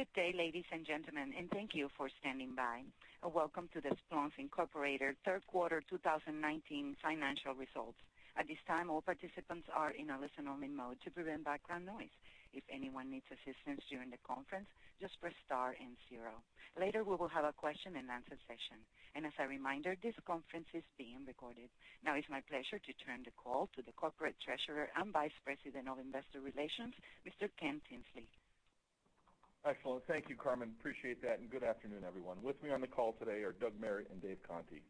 Good day, ladies and gentlemen, thank you for standing by. Welcome to the Splunk Inc. third quarter 2019 financial results. At this time, all participants are in a listen-only mode to prevent background noise. If anyone needs assistance during the conference, just press star and zero. Later, we will have a question and answer session. As a reminder, this conference is being recorded. It's my pleasure to turn the call to the Corporate Treasurer and Vice President of Investor Relations, Mr. Ken Tinsley. Excellent. Thank you, Carmen. Appreciate that. Good afternoon, everyone. With me on the call today are Doug Merritt and Dave Conte.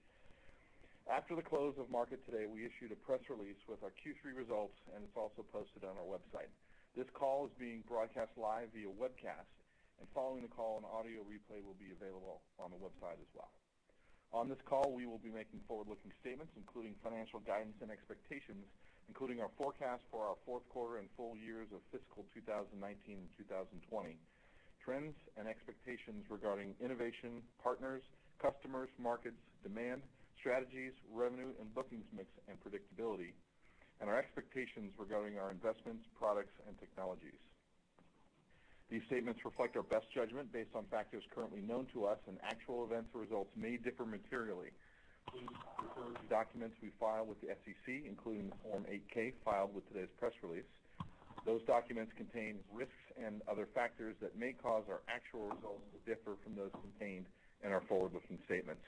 After the close of market today, we issued a press release with our Q3 results, and it's also posted on our website. This call is being broadcast live via webcast, Following the call an audio replay will be available on the website as well. On this call, we will be making forward-looking statements, including financial guidance and expectations, including our forecast for our fourth quarter and full years of fiscal 2019 and 2020, trends and expectations regarding innovation, partners, customers, markets, demand, strategies, revenue and bookings mix and predictability, and our expectations regarding our investments, products, and technologies. These statements reflect our best judgment based on factors currently known to us, Actual events or results may differ materially. Please refer to the documents we file with the SEC, including Form 8-K filed with today's press release. Those documents contain risks and other factors that may cause our actual results to differ from those contained in our forward-looking statements.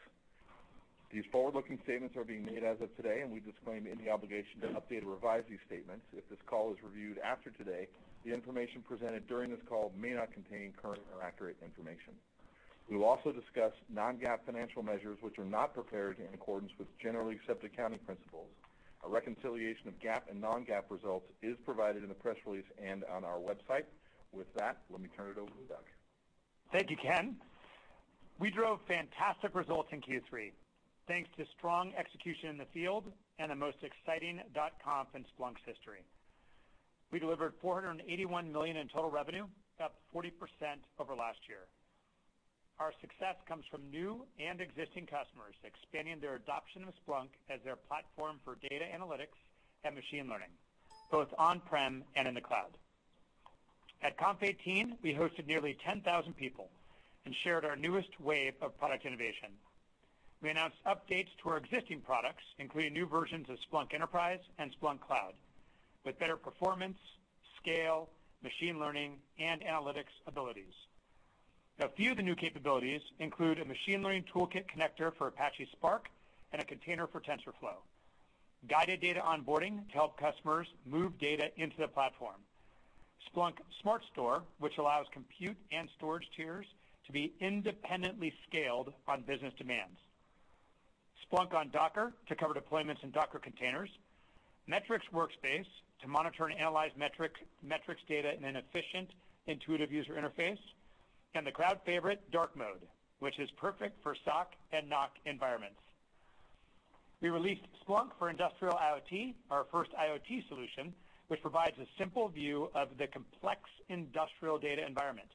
These forward-looking statements are being made as of today, We disclaim any obligation to update or revise these statements. If this call is reviewed after today, the information presented during this call may not contain current or accurate information. We will also discuss non-GAAP financial measures, which are not prepared in accordance with Generally Accepted Accounting Principles. A reconciliation of GAAP and non-GAAP results is provided in the press release and on our website. With that, let me turn it over to Doug. Thank you, Ken. We drove fantastic results in Q3, thanks to strong execution in the field and the most exciting .conf in Splunk's history. We delivered $481 million in total revenue, up 40% over last year. Our success comes from new and existing customers expanding their adoption of Splunk as their platform for data analytics and machine learning, both on-prem and in the cloud. At .conf '18, we hosted nearly 10,000 people and shared our newest wave of product innovation. We announced updates to our existing products, including new versions of Splunk Enterprise and Splunk Cloud with better performance, scale, machine learning, and analytics abilities. A few of the new capabilities include a machine learning toolkit connector for Apache Spark and a container for TensorFlow, guided data onboarding to help customers move data into the platform, Splunk SmartStore, which allows compute and storage tiers to be independently scaled on business demands, Splunk on Docker to cover deployments in Docker containers, Metrics Workspace to monitor and analyze metrics data in an efficient, intuitive user interface, and the crowd favorite, dark mode, which is perfect for SOC and NOC environments. We released Splunk for Industrial IoT, our first IoT solution, which provides a simple view of the complex industrial data environment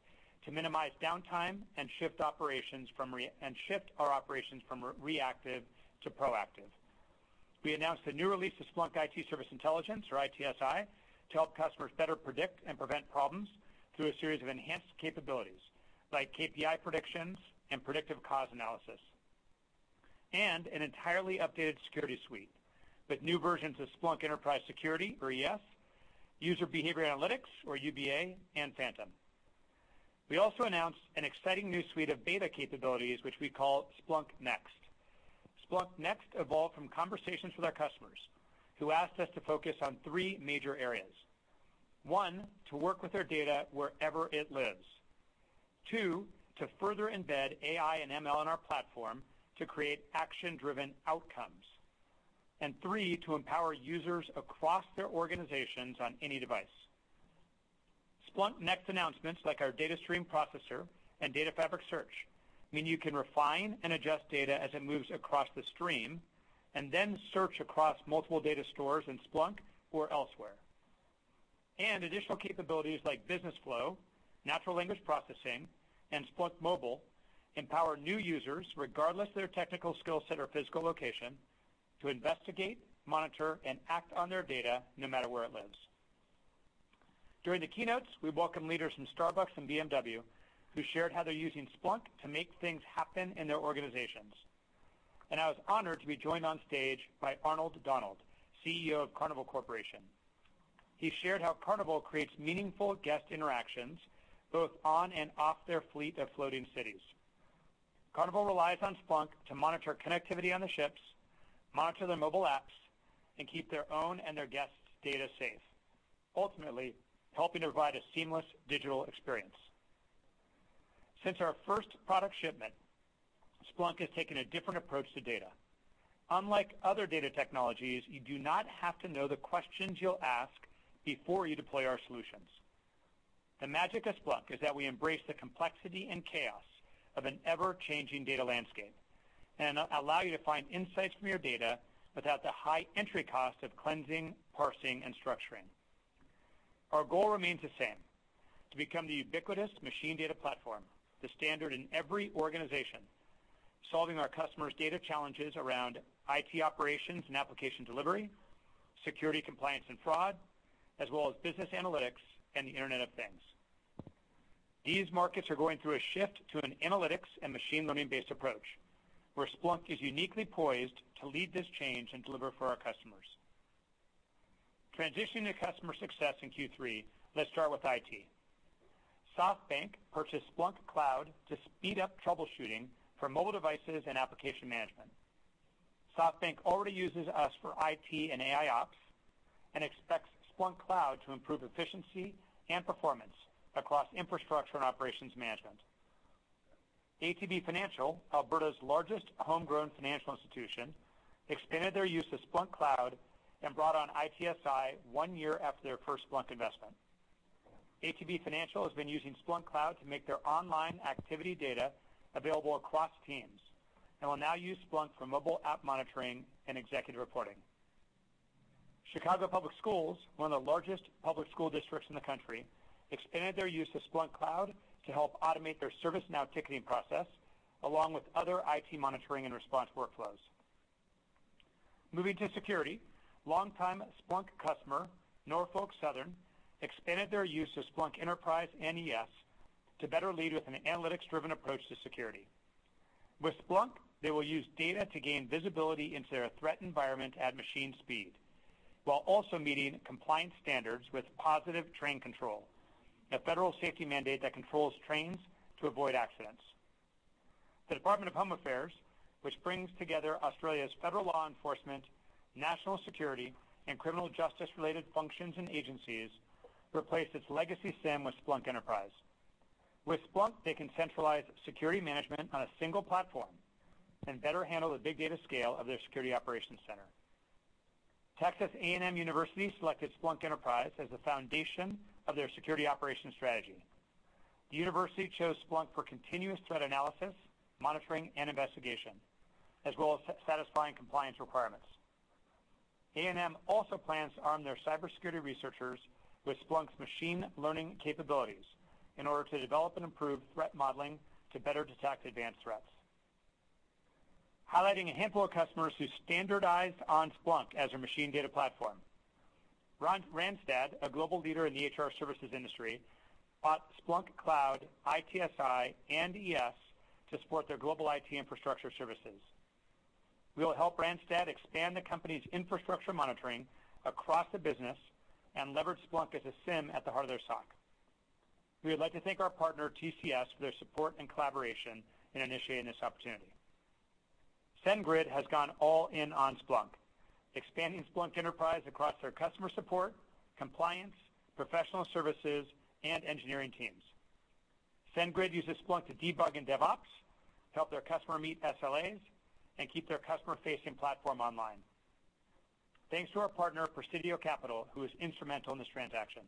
to minimize downtime and shift our operations from reactive to proactive. We announced a new release of Splunk IT Service Intelligence, or ITSI, to help customers better predict and prevent problems through a series of enhanced capabilities like KPI predictions and predictive cause analysis, an entirely updated security suite with new versions of Splunk Enterprise Security, or ES, User Behavior Analytics, or UBA, and Phantom. We also announced an exciting new suite of beta capabilities, which we call Splunk Next. Splunk Next evolved from conversations with our customers who asked us to focus on three major areas. One, to work with their data wherever it lives. Two, to further embed AI and ML in our platform to create action-driven outcomes. Three, to empower users across their organizations on any device. Splunk Next announcements, like our Data Stream Processor and Data Fabric Search, mean you can refine and adjust data as it moves across the stream, then search across multiple data stores in Splunk or elsewhere. Additional capabilities like Business Flow, natural language processing, and Splunk Mobile empower new users, regardless of their technical skill set or physical location, to investigate, monitor, and act on their data no matter where it lives. During the keynotes, we welcome leaders from Starbucks and BMW who shared how they are using Splunk to make things happen in their organizations. I was honored to be joined on stage by Arnold Donald, CEO of Carnival Corporation. He shared how Carnival creates meaningful guest interactions both on and off their fleet of floating cities. Carnival relies on Splunk to monitor connectivity on the ships, monitor their mobile apps, and keep their own and their guests' data safe, ultimately helping to provide a seamless digital experience. Since our first product shipment, Splunk has taken a different approach to data. Unlike other data technologies, you do not have to know the questions you'll ask before you deploy our solutions. The magic of Splunk is that we embrace the complexity and chaos of an ever-changing data landscape and allow you to find insights from your data without the high entry cost of cleansing, parsing, and structuring. Our goal remains the same: to become the ubiquitous machine data platform, the standard in every organization, solving our customers' data challenges around IT operations and application delivery, security compliance and fraud, as well as business analytics and the Internet of Things. These markets are going through a shift to an analytics and machine learning-based approach, where Splunk is uniquely poised to lead this change and deliver for our customers. Transitioning to customer success in Q3, let's start with IT. SoftBank purchased Splunk Cloud to speed up troubleshooting for mobile devices and application management. SoftBank already uses us for IT and AIOps, and expects Splunk Cloud to improve efficiency and performance across infrastructure and operations management. ATB Financial, Alberta's largest homegrown financial institution, expanded their use of Splunk Cloud and brought on ITSI one year after their first Splunk investment. ATB Financial has been using Splunk Cloud to make their online activity data available across teams, and will now use Splunk for mobile app monitoring and executive reporting. Chicago Public Schools, one of the largest public school districts in the country, expanded their use of Splunk Cloud to help automate their ServiceNow ticketing process, along with other IT monitoring and response workflows. Moving to security, longtime Splunk customer, Norfolk Southern, expanded their use of Splunk Enterprise and ES to better lead with an analytics-driven approach to security. With Splunk, they will use data to gain visibility into their threat environment at machine speed, while also meeting compliance standards with Positive Train Control, a federal safety mandate that controls trains to avoid accidents. The Department of Home Affairs, which brings together Australia's federal law enforcement, national security, and criminal justice-related functions and agencies, replaced its legacy SIEM with Splunk Enterprise. With Splunk, they can centralize security management on a single platform and better handle the big data scale of their security operations center. Texas A&M University selected Splunk Enterprise as the foundation of their security operations strategy. The university chose Splunk for continuous threat analysis, monitoring, and investigation, as well as satisfying compliance requirements. A&M also plans to arm their cybersecurity researchers with Splunk's machine learning capabilities in order to develop and improve threat modeling to better detect advanced threats. Highlighting a handful of customers who standardized on Splunk as their machine data platform. Randstad, a global leader in the HR services industry, bought Splunk Cloud, ITSI, and ES to support their global IT infrastructure services. We will help Randstad expand the company's infrastructure monitoring across the business and leverage Splunk as a SIEM at the heart of their SOC. We would like to thank our partner, TCS, for their support and collaboration in initiating this opportunity. SendGrid has gone all in on Splunk, expanding Splunk Enterprise across their customer support, compliance, professional services, and engineering teams. SendGrid uses Splunk to debug in DevOps, help their customer meet SLAs, and keep their customer-facing platform online. Thanks to our partner, Presidio Capital, who was instrumental in this transaction.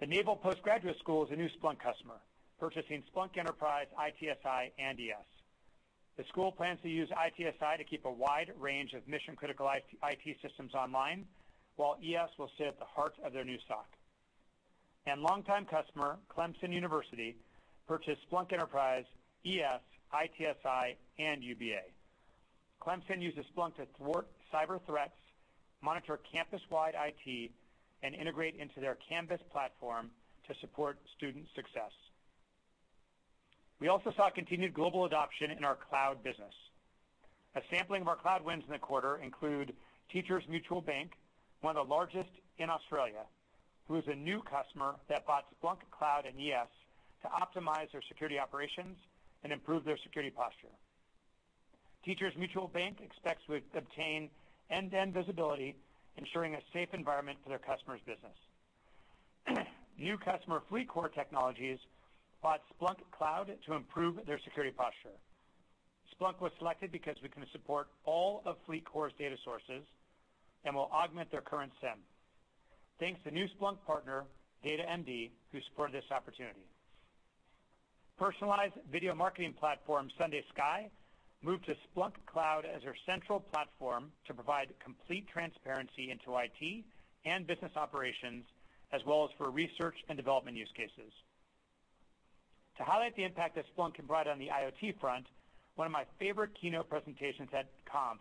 The Naval Postgraduate School is a new Splunk customer, purchasing Splunk Enterprise, ITSI, and ES. The school plans to use ITSI to keep a wide range of mission-critical IT systems online, while ES will sit at the heart of their new SOC. Longtime customer, Clemson University, purchased Splunk Enterprise, ES, ITSI, and UBA. Clemson uses Splunk to thwart cyber threats, monitor campus-wide IT, and integrate into their Canvas platform to support student success. We also saw continued global adoption in our cloud business. A sampling of our cloud wins in the quarter include Teachers Mutual Bank, one of the largest in Australia, who is a new customer that bought Splunk Cloud and ES to optimize their security operations and improve their security posture. Teachers Mutual Bank expects to obtain end-to-end visibility, ensuring a safe environment for their customers' business. New customer, FleetCor Technologies, bought Splunk Cloud to improve their security posture. Splunk was selected because we can support all of FleetCor's data sources and will augment their current SIEM. Thanks to new Splunk partner, DataMD, who supported this opportunity. Personalized video marketing platform, SundaySky, moved to Splunk Cloud as their central platform to provide complete transparency into IT and business operations, as well as for research and development use cases. To highlight the impact that Splunk can provide on the IoT front, one of my favorite keynote presentations at .conf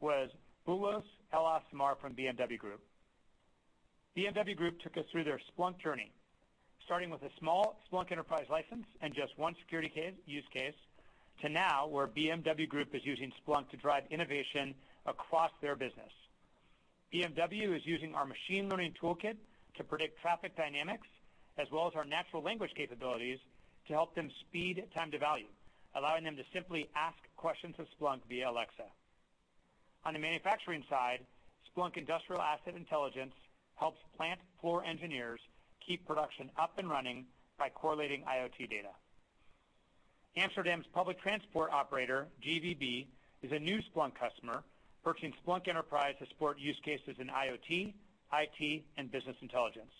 was Boulos El-Assmar from BMW Group. BMW Group took us through their Splunk journey, starting with a small Splunk Enterprise license and just one security use case, to now, where BMW Group is using Splunk to drive innovation across their business. BMW is using our machine learning toolkit to predict traffic dynamics, as well as our natural language capabilities to help them speed time to value, allowing them to simply ask questions of Splunk via Alexa. On the manufacturing side, Splunk Industrial Asset Intelligence helps plant floor engineers keep production up and running by correlating IoT data. Amsterdam's public transport operator, GVB, is a new Splunk customer, purchasing Splunk Enterprise to support use cases in IoT, IT, and business intelligence.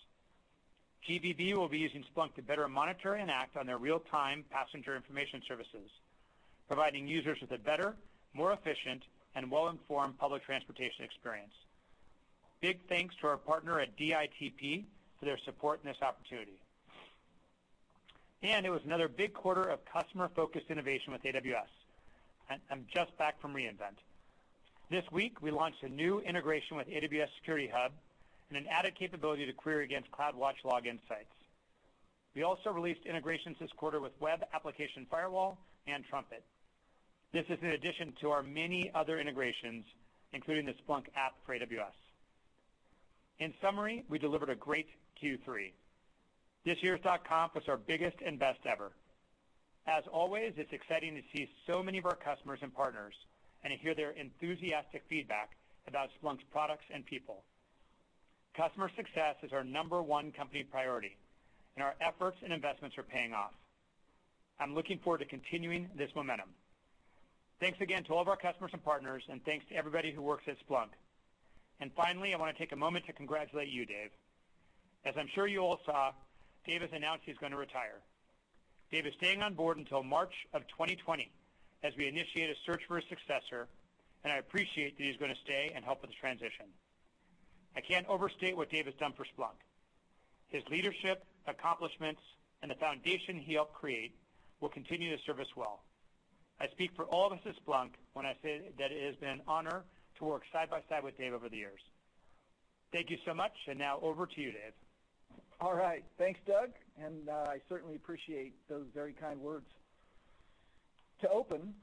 GVB will be using Splunk to better monitor and act on their real-time passenger information services, providing users with a better, more efficient, and well-informed public transportation experience. Big thanks to our partner at DITP for their support in this opportunity. It was another big quarter of customer-focused innovation with AWS. I'm just back from re:Invent. This week, we launched a new integration with AWS Security Hub and an added capability to query against CloudWatch Logs Insights. We also released integrations this quarter with Web Application Firewall and Trumpet. This is in addition to our many other integrations, including the Splunk App for AWS. In summary, we delivered a great Q3. This year's .conf was our biggest and best ever. As always, it's exciting to see so many of our customers and partners and to hear their enthusiastic feedback about Splunk's products and people. Customer success is our number one company priority, and our efforts and investments are paying off. I'm looking forward to continuing this momentum. Thanks again to all of our customers and partners, and thanks to everybody who works at Splunk. Finally, I want to take a moment to congratulate you, Dave. As I'm sure you all saw, Dave has announced he's going to retire. Dave is staying on board until March of 2020 as we initiate a search for a successor, and I appreciate that he's going to stay and help with the transition. I can't overstate what Dave has done for Splunk. His leadership, accomplishments, and the foundation he helped create will continue to serve us well. I speak for all of us at Splunk when I say that it has been an honor to work side by side with Dave over the years. Thank you so much, and now over to you, Dave. Thanks, Doug, I certainly appreciate those very kind words. To open,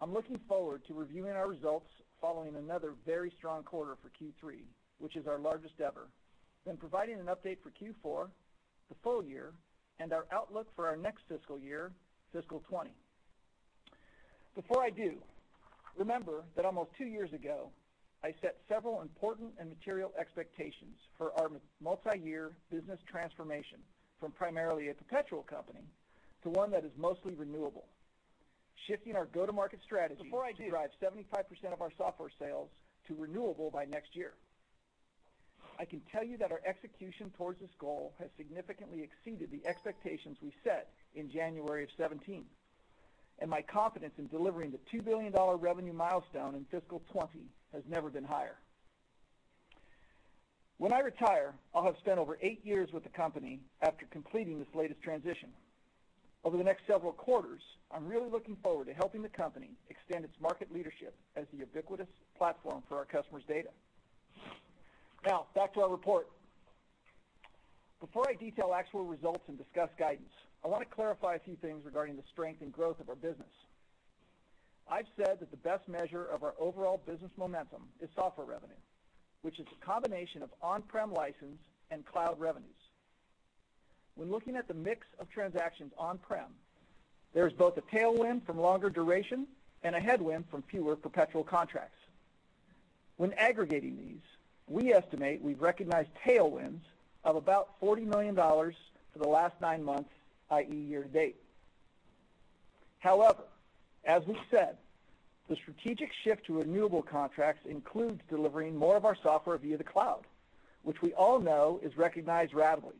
I'm looking forward to reviewing our results following another very strong quarter for Q3, which is our largest ever, providing an update for Q4, the full year, and our outlook for our next fiscal year, fiscal 2020. Before I do, remember that almost two years ago, I set several important and material expectations for our multi-year business transformation from primarily a perpetual company to one that is mostly renewable, shifting our go-to-market strategy to drive 75% of our software sales to renewable by next year. My confidence in delivering the $2 billion revenue milestone in fiscal 2020 has never been higher. When I retire, I'll have spent over eight years with the company after completing this latest transition. Over the next several quarters, I'm really looking forward to helping the company extend its market leadership as the ubiquitous platform for our customers' data. Back to our report. Before I detail actual results and discuss guidance, I want to clarify a few things regarding the strength and growth of our business. I've said that the best measure of our overall business momentum is software revenue, which is a combination of on-prem license and cloud revenues. When looking at the mix of transactions on-prem, there is both a tailwind from longer duration and a headwind from fewer perpetual contracts. When aggregating these, we estimate we've recognized tailwinds of about $40 million for the last nine months, i.e., year to date. As we've said, the strategic shift to renewable contracts includes delivering more of our software via the cloud, which we all know is recognized rapidly.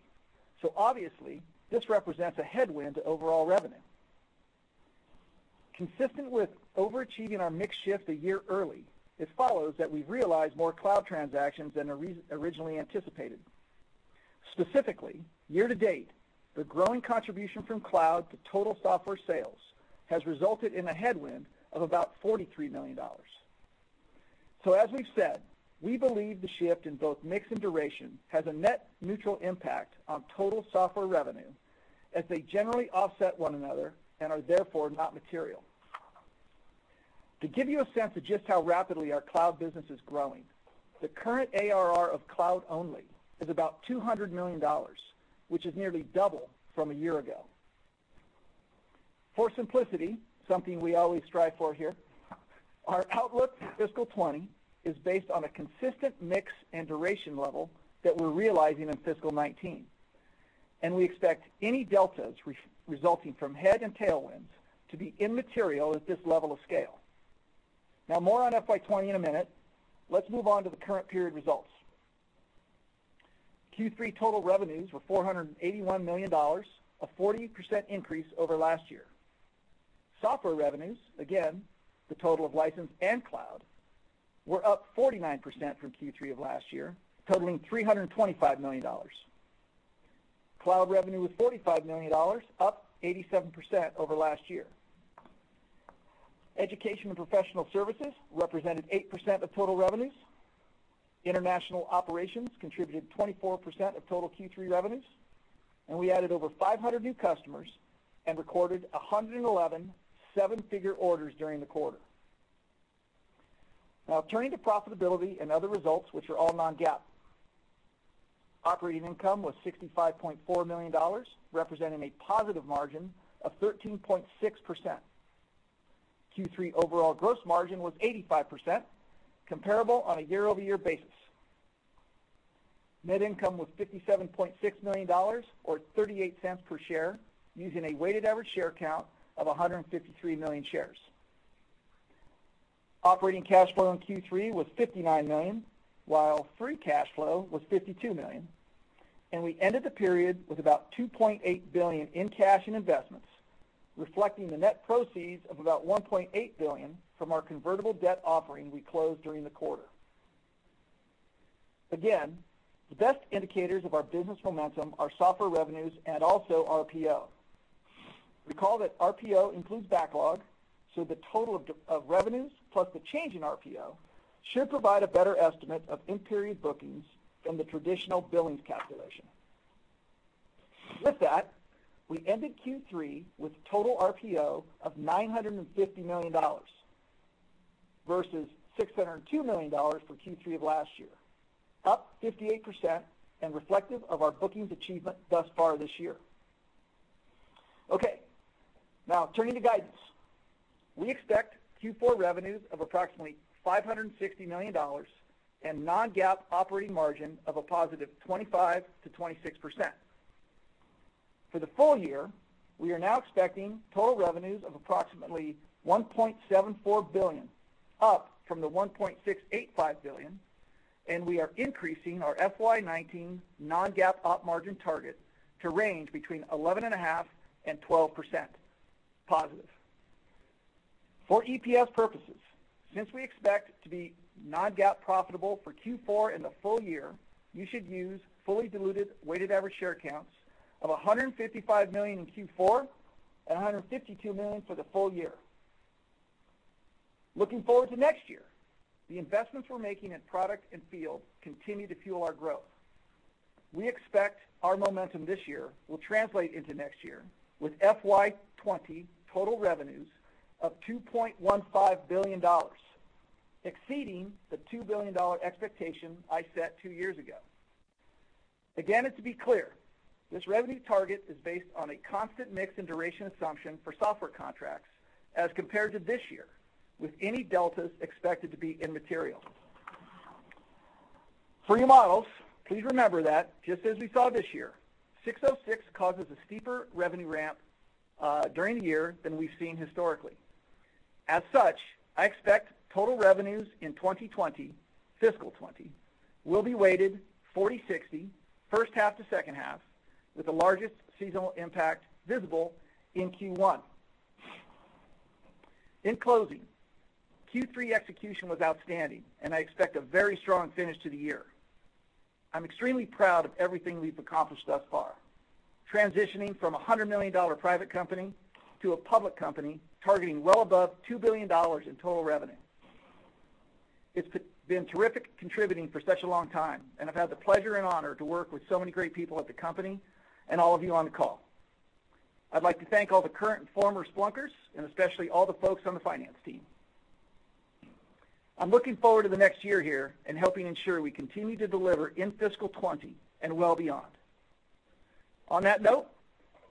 Obviously, this represents a headwind to overall revenue. Consistent with overachieving our mix shift a year early, it follows that we've realized more cloud transactions than originally anticipated. Specifically, year to date, the growing contribution from cloud to total software sales has resulted in a headwind of about $43 million. As we've said, we believe the shift in both mix and duration has a net neutral impact on total software revenue as they generally offset one another and are therefore not material. To give you a sense of just how rapidly our cloud business is growing, the current ARR of cloud only is about $200 million, which is nearly double from a year ago. For simplicity, something we always strive for here, our outlook for fiscal 2020 is based on a consistent mix and duration level that we are realizing in fiscal 2019, and we expect any deltas resulting from head and tailwinds to be immaterial at this level of scale. More on FY 2020 in a minute. Let us move on to the current period results. Q3 total revenues were $481 million, a 40% increase over last year. Software revenues, again, the total of license and cloud, were up 49% from Q3 of last year, totaling $325 million. Cloud revenue was $45 million, up 87% over last year. Education and professional services represented 8% of total revenues. International operations contributed 24% of total Q3 revenues. We added over 500 new customers and recorded 111 seven-figure orders during the quarter. Now, turning to profitability and other results, which are all non-GAAP. Operating income was $65.4 million, representing a positive margin of 13.6%. Q3 overall gross margin was 85%, comparable on a year-over-year basis. Net income was $57.6 million, or $0.38 per share, using a weighted average share count of 153 million shares. Operating cash flow in Q3 was $59 million, while free cash flow was $52 million. We ended the period with about $2.8 billion in cash and investments, reflecting the net proceeds of about $1.8 billion from our convertible debt offering we closed during the quarter. Again, the best indicators of our business momentum are software revenues and also RPO. Recall that RPO includes backlog, so the total of revenues plus the change in RPO should provide a better estimate of in-period bookings than the traditional billings calculation. With that, we ended Q3 with total RPO of $950 million, versus $602 million for Q3 of last year, up 58% and reflective of our bookings achievement thus far this year. Okay. Now turning to guidance. We expect Q4 revenues of approximately $560 million, and non-GAAP operating margin of a positive 25%-26%. For the full year, we are now expecting total revenues of approximately $1.74 billion, up from the $1.685 billion, and we are increasing our FY 2019 non-GAAP op margin target to range between 11.5% and 12% positive. For EPS purposes, since we expect to be non-GAAP profitable for Q4 and the full year, you should use fully diluted weighted average share counts of 155 million in Q4 and 152 million for the full year. Looking forward to next year, the investments we are making in product and field continue to fuel our growth. We expect our momentum this year will translate into next year with FY 2020 total revenues of $2.15 billion, exceeding the $2 billion expectation I set two years ago. Again, and to be clear, this revenue target is based on a constant mix and duration assumption for software contracts as compared to this year, with any deltas expected to be immaterial. For your models, please remember that just as we saw this year, ASC 606 causes a steeper revenue ramp during the year than we have seen historically. As such, I expect total revenues in 2020, fiscal 2020, will be weighted 40/60 first half to second half, with the largest seasonal impact visible in Q1. In closing, Q3 execution was outstanding, and I expect a very strong finish to the year. I'm extremely proud of everything we've accomplished thus far, transitioning from a $100 million private company to a public company targeting well above $2 billion in total revenue. It's been terrific contributing for such a long time, and I've had the pleasure and honor to work with so many great people at the company and all of you on the call. I'd like to thank all the current and former Splunkers, and especially all the folks on the finance team. I'm looking forward to the next year here and helping ensure we continue to deliver in fiscal 2020 and well beyond. On that note,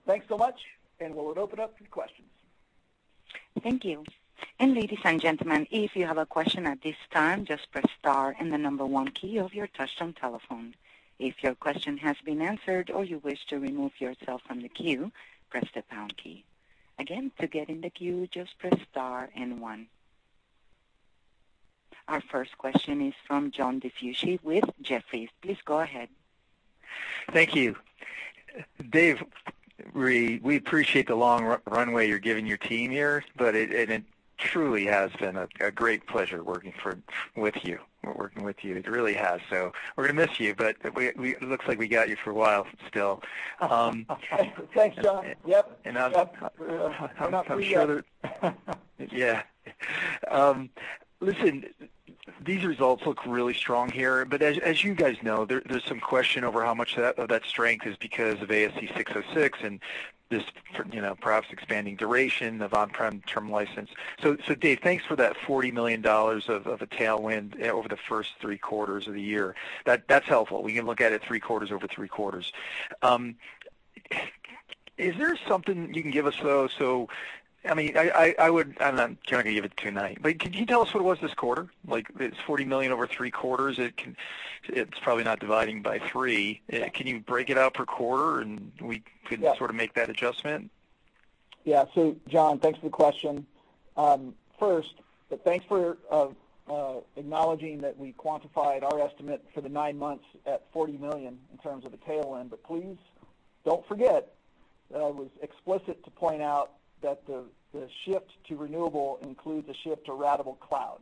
thanks so much, and we'll open up to questions. Thank you. Ladies and gentlemen, if you have a question at this time, just press star and the number 1 key of your touch-tone telephone. If your question has been answered or you wish to remove yourself from the queue, press the pound key. Again, to get in the queue, just press star and one. Our first question is from John DiFucci with Jefferies. Please go ahead. Thank you. Dave, we appreciate the long runway you're giving your team here, but it truly has been a great pleasure working with you. It really has. We're going to miss you, but it looks like we got you for a while still. Thanks, John. Yep. I'm sure. We're not through yet. Yeah. Listen, these results look really strong here, but as you guys know, there's some question over how much of that strength is because of ASC 606 and this perhaps expanding duration of on-prem term license. Dave, thanks for that $40 million of a tailwind over the first three quarters of the year. That's helpful. We can look at it three quarters over three quarters. Is there something you can give us, though, I'm not going to give it to you tonight, but can you tell us what it was this quarter? Like, it's $40 million over three quarters. It's probably not dividing by three. Can you break it out per quarter and we can- Yeah sort of make that adjustment? John, thanks for the question. First, thanks for acknowledging that we quantified our estimate for the nine months at $40 million in terms of a tail end. Please don't forget that I was explicit to point out that the shift to renewable includes a shift to ratable cloud,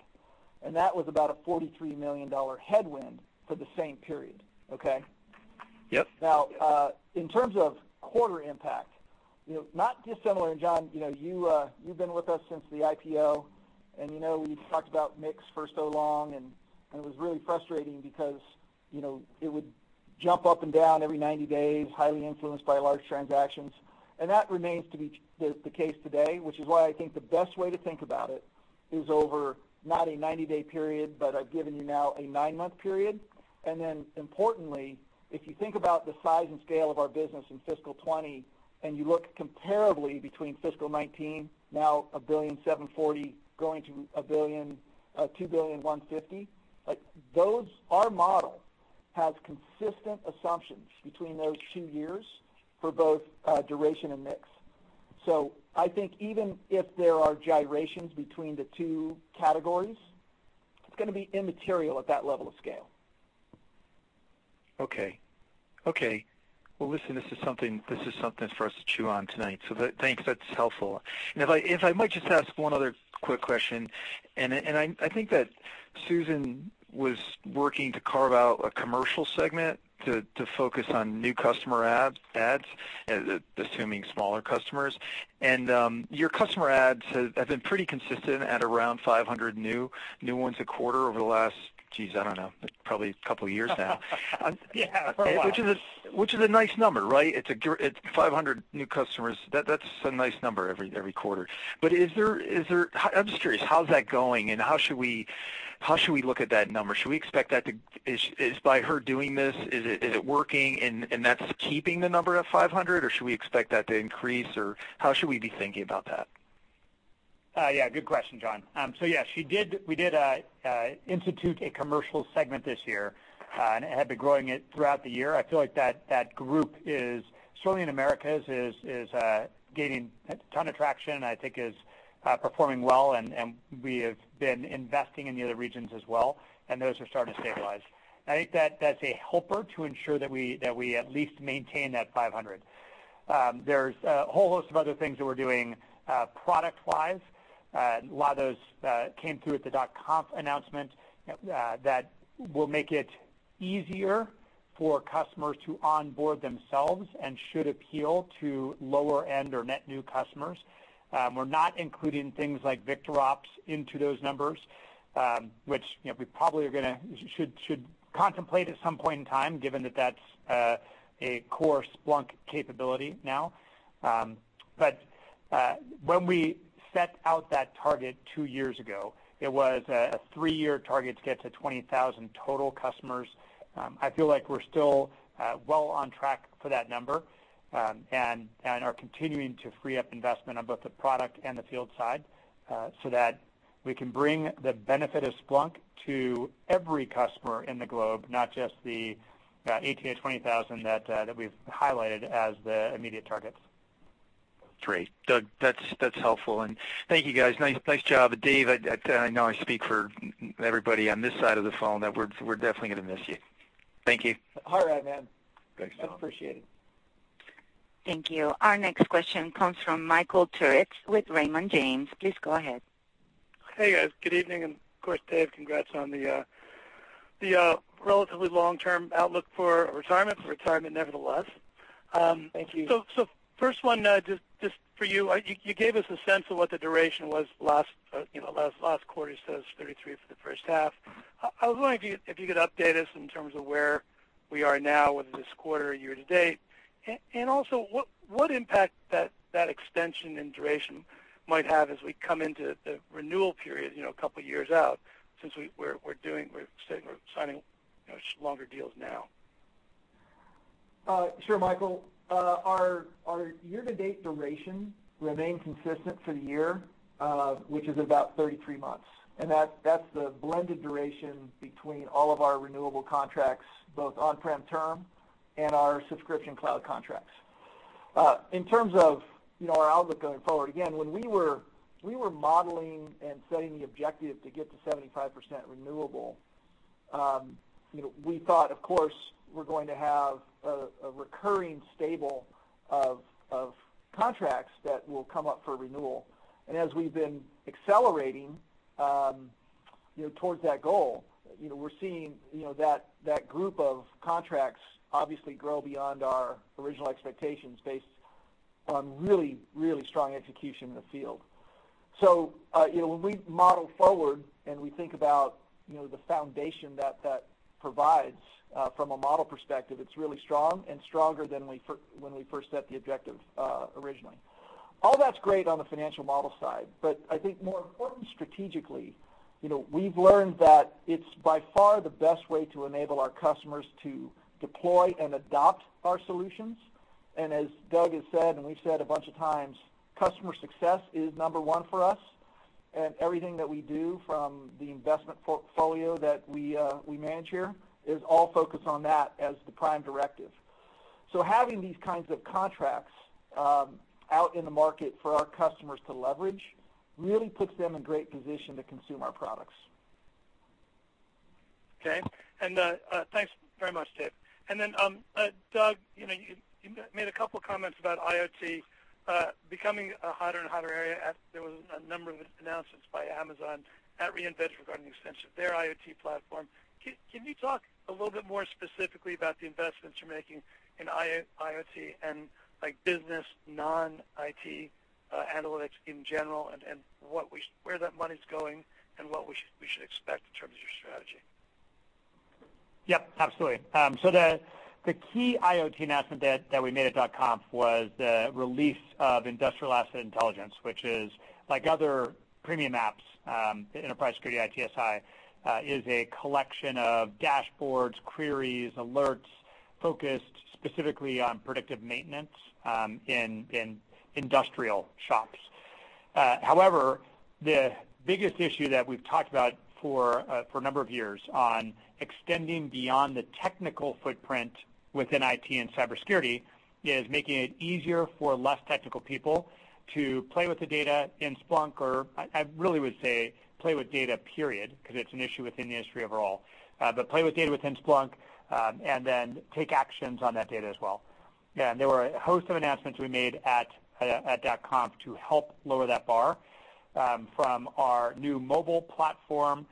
and that was about a $43 million headwind for the same period, okay? Yep. Now, in terms of quarter impact, not dissimilar, John you've been with us since the IPO, and you know we've talked about mix for so long, and it was really frustrating because it would jump up and down every 90 days, highly influenced by large transactions. That remains to be the case today, which is why I think the best way to think about it is over not a 90-day period, but I've given you now a nine-month period. Importantly, if you think about the size and scale of our business in fiscal 2020, and you look comparably between fiscal 2019, now $1.740 billion, going to $2.150 billion, our model has consistent assumptions between those two years for both duration and mix. I think even if there are gyrations between the two categories, it's going to be immaterial at that level of scale. Okay. Well, listen, this is something for us to chew on tonight. Thanks, that's helpful. If I might just ask one other quick question, and I think that Susan was working to carve out a commercial segment to focus on new customer adds, assuming smaller customers. Your customer adds have been pretty consistent at around 500 new ones a quarter over the last, geez, I don't know, probably a couple of years now. For a while. Which is a nice number, right? 500 new customers, that's a nice number every quarter. I'm just curious, how's that going, and how should we look at that number? Is by her doing this, is it working, and that's keeping the number at 500, or should we expect that to increase, or how should we be thinking about that? Yeah, good question, John. Yeah, we did institute a commercial segment this year, and have been growing it throughout the year. I feel like that group is, certainly in Americas, is gaining a ton of traction, I think is performing well and we have been investing in the other regions as well, and those are starting to stabilize. I think that's a helper to ensure that we at least maintain that 500. There's a whole host of other things that we're doing product-wise. A lot of those came through at the .conf announcement that will make it easier for customers to onboard themselves and should appeal to lower end or net new customers. We're not including things like VictorOps into those numbers, which we probably should contemplate at some point in time given that's a core Splunk capability now. When we set out that target two years ago, it was a three-year target to get to 20,000 total customers. I feel like we're still well on track for that number, and are continuing to free up investment on both the product and the field side, so that we can bring the benefit of Splunk to every customer in the globe, not just the 18 to 20,000 that we've highlighted as the immediate targets. Great. Doug, that's helpful, and thank you, guys. Nice job. Dave, I know I speak for everybody on this side of the phone that we're definitely going to miss you. Thank you. All right, man. Thanks, John. I appreciate it. Thank you. Our next question comes from Michael Turrin with Raymond James. Please go ahead. Hey, guys. Good evening, Dave, congrats on the relatively long-term outlook for retirement. It's a retirement nevertheless. Thank you. First one just for you gave us a sense of what the duration was last quarter. You said it was 33 for the first half. I was wondering if you could update us in terms of where we are now, whether it's this quarter or year to date, and also what impact that extension and duration might have as we come into the renewal period a couple of years out since we're signing longer deals now. Sure, Michael. Our year-to-date duration remains consistent for the year, which is about 33 months, and that's the blended duration between all of our renewable contracts, both on-prem term and our subscription cloud contracts. In terms of our outlook going forward, again, when we were modeling and setting the objective to get to 75% renewable, we thought, of course, we're going to have a recurring stable of contracts that will come up for renewal. As we've been accelerating towards that goal, we're seeing that group of contracts obviously grow beyond our original expectations based on really, really strong execution in the field. When we model forward and we think about the foundation that that provides from a model perspective, it's really strong and stronger than when we first set the objective originally. All that's great on the financial model side, but I think more important strategically, we've learned that it's by far the best way to enable our customers to deploy and adopt our solutions. As Doug has said, and we've said a bunch of times, customer success is number one for us, and everything that we do from the investment portfolio that we manage here is all focused on that as the prime directive. Having these kinds of contracts out in the market for our customers to leverage really puts them in great position to consume our products. Okay. Thanks very much, Dave. Then, Doug, you made a couple comments about IoT becoming a hotter and hotter area. There was a number of announcements by Amazon at re:Invent regarding extension of their IoT platform. Can you talk a little bit more specifically about the investments you're making in IoT and business non-IT analytics in general, and where that money's going and what we should expect in terms of your strategy? Yep, absolutely. The key IoT announcement that we made at .conf was the release of Industrial Asset Intelligence, which is like other premium apps, Enterprise Security ITSI, is a collection of dashboards, queries, alerts focused specifically on predictive maintenance in industrial shops. However, the biggest issue that we've talked about for a number of years on extending beyond the technical footprint within IT and cybersecurity is making it easier for less technical people to play with the data in Splunk, or I really would say play with data, period, because it's an issue within the industry overall. Play with data within Splunk, and then take actions on that data as well. Yeah. There were a host of announcements we made at .conf to help lower that bar, from our new Splunk Mobile,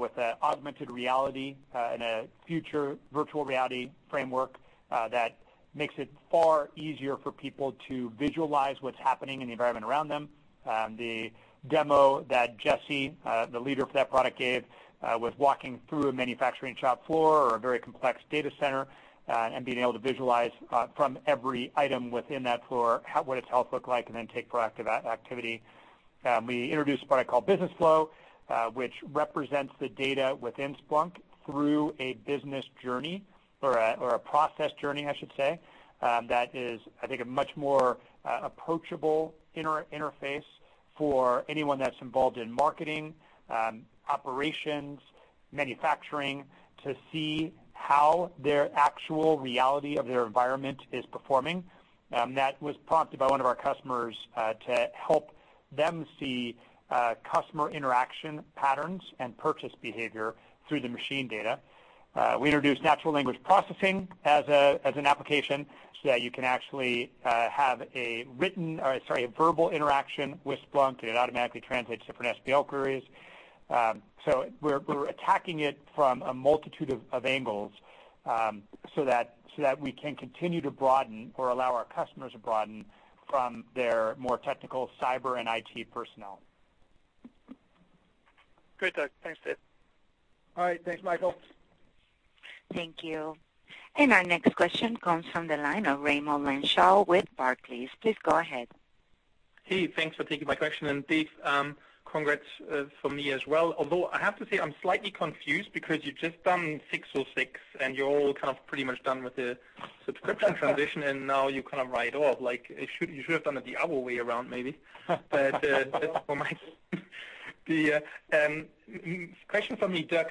with an augmented reality and a future virtual reality framework that makes it far easier for people to visualize what's happening in the environment around them. The demo that Jesse, the leader for that product gave, was walking through a manufacturing shop floor or a very complex data center, and being able to visualize from every item within that floor what its health looked like, and then take proactive activity. We introduced a product called Business Flow, which represents the data within Splunk through a business journey, or a process journey, I should say. That is, I think, a much more approachable interface for anyone that's involved in marketing, operations, manufacturing to see how their actual reality of their environment is performing. That was prompted by one of our customers, to help them see customer interaction patterns and purchase behavior through the machine data. We introduced natural language processing as an application so that you can actually have a verbal interaction with Splunk, and it automatically translates different SPL queries. We're attacking it from a multitude of angles, so that we can continue to broaden or allow our customers to broaden from their more technical cyber and IT personnel. Great, Doug. Thanks, Dave. All right. Thanks, Michael. Thank you. Our next question comes from the line of Raimo Lenschaw with Barclays. Please go ahead. Hey, thanks for taking my question. Dave, congrats from me as well, although I have to say, I'm slightly confused because you've just done ASC 606, and you're all kind of pretty much done with the subscription transition, and now you kind of write off, like you should have done it the other way around maybe. That's for Mike. Question for me, Doug,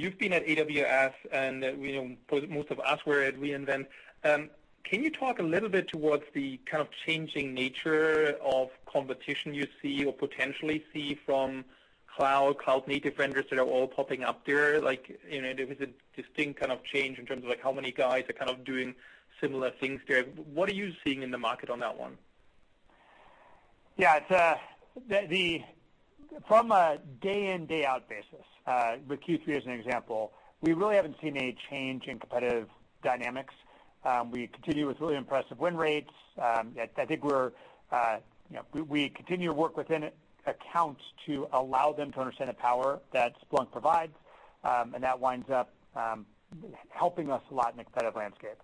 you've been at AWS, and most of us were at re:Invent. Can you talk a little bit towards the kind of changing nature of competition you see or potentially see from cloud native vendors that are all popping up there? There was a distinct kind of change in terms of how many guys are kind of doing similar things there. What are you seeing in the market on that one? Yeah. From a day in, day out basis, with Q3 as an example, we really haven't seen any change in competitive dynamics. We continue with really impressive win rates. I think we continue to work within accounts to allow them to understand the power that Splunk provides, and that winds up helping us a lot in the competitive landscape.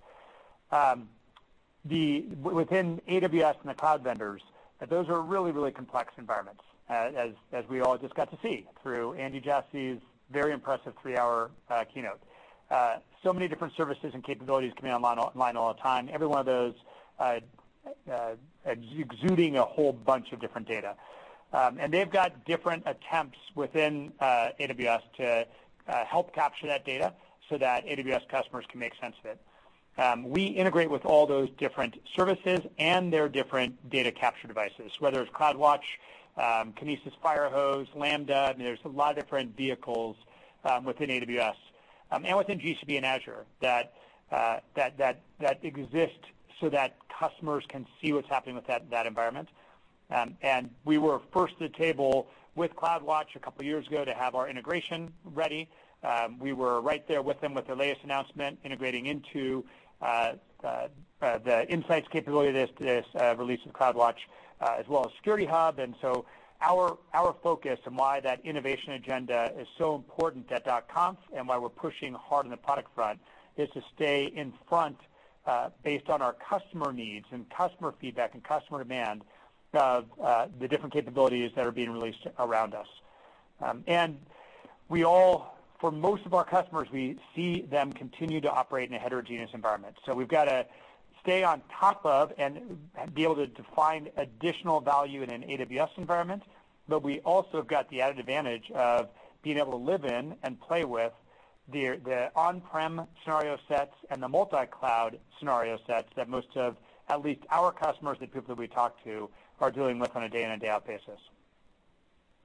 Within AWS and the cloud vendors, those are really, really complex environments, as we all just got to see through Andy Jassy's very impressive 3-hour keynote. Many different services and capabilities coming online all the time, every one of those exuding a whole bunch of different data. They've got different attempts within AWS to help capture that data so that AWS customers can make sense of it. We integrate with all those different services and their different data capture devices, whether it's CloudWatch, Kinesis, Firehose, Lambda, there's a lot of different vehicles within AWS, and within GCP and Azure that exist so that customers can see what's happening with that environment. We were first to the table with CloudWatch a couple of years ago to have our integration ready. We were right there with them with their latest announcement, integrating into the insights capability, this release of CloudWatch, as well as Security Hub. Our focus and why that innovation agenda is so important at .conf and why we're pushing hard on the product front is to stay in front, based on our customer needs and customer feedback and customer demand of the different capabilities that are being released around us. For most of our customers, we see them continue to operate in a heterogeneous environment. We've got to stay on top of and be able to define additional value in an AWS environment. We also have got the added advantage of being able to live in and play with the on-prem scenario sets and the multi-cloud scenario sets that most of, at least our customers, the people that we talk to, are dealing with on a day in and day out basis.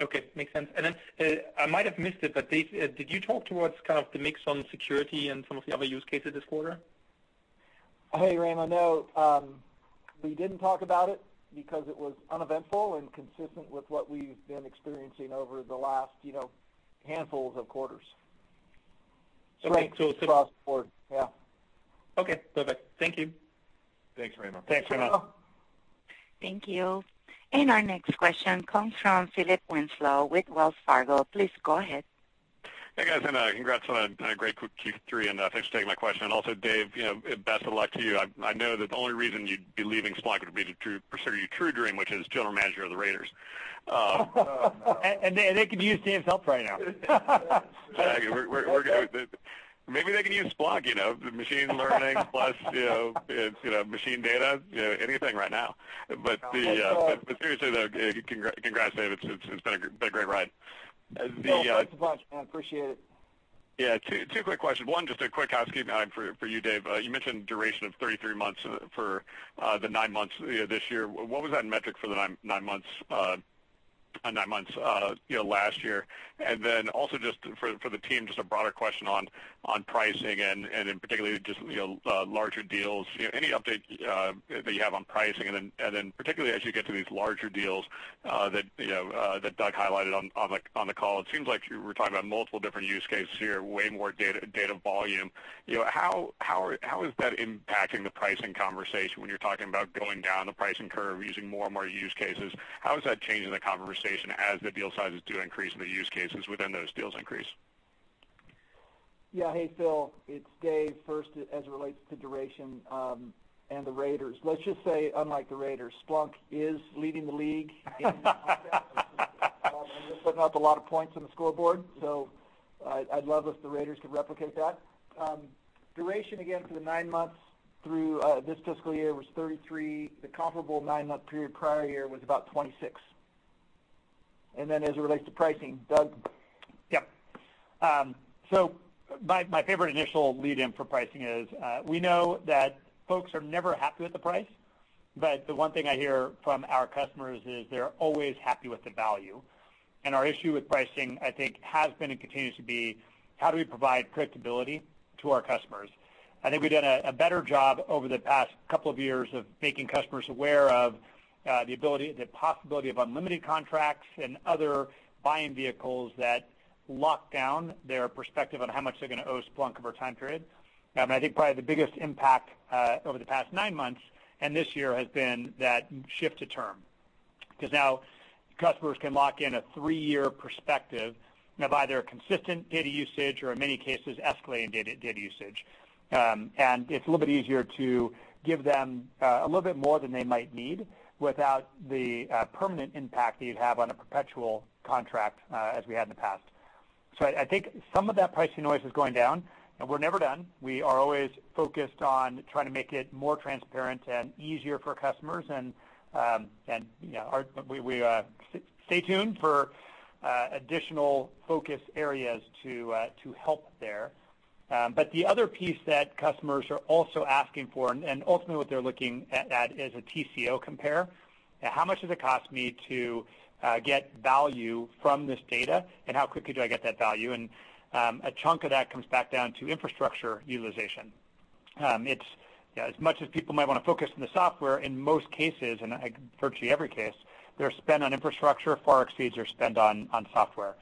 Okay. Makes sense. Then, I might have missed it, but Dave, did you talk towards kind of the mix on security and some of the other use cases this quarter? Hey, Raymond, no, we didn't talk about it because it was uneventful and consistent with what we've been experiencing over the last handfuls of quarters. Okay. Straight across the board. Yeah. Okay, perfect. Thank you. Thanks, Raymond. Thanks, Raymond. Thank you. Our next question comes from Phil Winslow with Wells Fargo. Please go ahead. Hey, guys, congrats on a great Q3, thanks for taking my question. Also, Dave, best of luck to you. I know that the only reason you'd be leaving Splunk would be to pursue your true dream, which is general manager of the Raiders. Oh, man. They could use Dave's help right now. Doug, maybe they can use Splunk, the machine learning plus machine data, anything right now. Seriously, though, congrats, Dave. It's been a great ride. Phil, thanks a bunch. I appreciate it. Yeah. Two quick questions. One, just a quick housekeeping item for you, Dave. You mentioned duration of 33 months for the nine months this year. What was that metric for the nine months last year? Then also just for the team, just a broader question on pricing and in particular just larger deals. Any update that you have on pricing, and then particularly as you get to these larger deals that Doug highlighted on the call, it seems like you were talking about multiple different use cases here, way more data volume. How is that impacting the pricing conversation when you're talking about going down the pricing curve using more and more use cases? How is that changing the conversation as the deal sizes do increase and the use cases within those deals increase? Hey, Phil, it's Dave. First, as it relates to duration and the Raiders, let's just say, unlike the Raiders, Splunk is leading the league in putting up a lot of points on the scoreboard. I'd love if the Raiders could replicate that. Duration, again, for the nine months through this fiscal year was 33. The comparable nine-month period prior year was about 26. As it relates to pricing, Doug? Yep. My favorite initial lead-in for pricing is we know that folks are never happy with the price, the one thing I hear from our customers is they're always happy with the value. Our issue with pricing, I think, has been and continues to be how do we provide predictability to our customers. I think we've done a better job over the past couple of years of making customers aware of the possibility of unlimited contracts and other buying vehicles that lock down their perspective on how much they're going to owe Splunk over a time period. I think probably the biggest impact over the past nine months and this year has been that shift to term. Now customers can lock in a three-year perspective of either consistent data usage or, in many cases, escalating data usage. It's a little bit easier to give them a little bit more than they might need without the permanent impact that you'd have on a perpetual contract as we had in the past. I think some of that pricing noise is going down, we're never done. We are always focused on trying to make it more transparent and easier for customers, stay tuned for additional focus areas to help there. The other piece that customers are also asking for, and ultimately what they're looking at, is a TCO compare. How much does it cost me to get value from this data, and how quickly do I get that value? A chunk of that comes back down to infrastructure utilization. As much as people might want to focus on the software, in most cases, and virtually every case, their spend on infrastructure far exceeds their spend on software.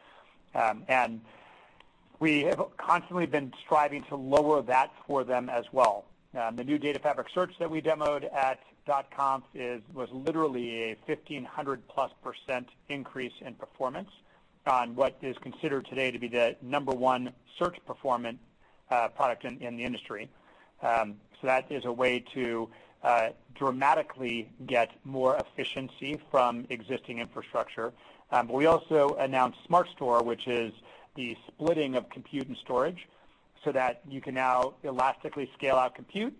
We have constantly been striving to lower that for them as well. The new Data Fabric Search that we demoed at .conf was literally a 1,500+% increase in performance on what is considered today to be the number 1 search performance product in the industry. That is a way to dramatically get more efficiency from existing infrastructure. We also announced SmartStore, which is the splitting of compute and storage so that you can now elastically scale out compute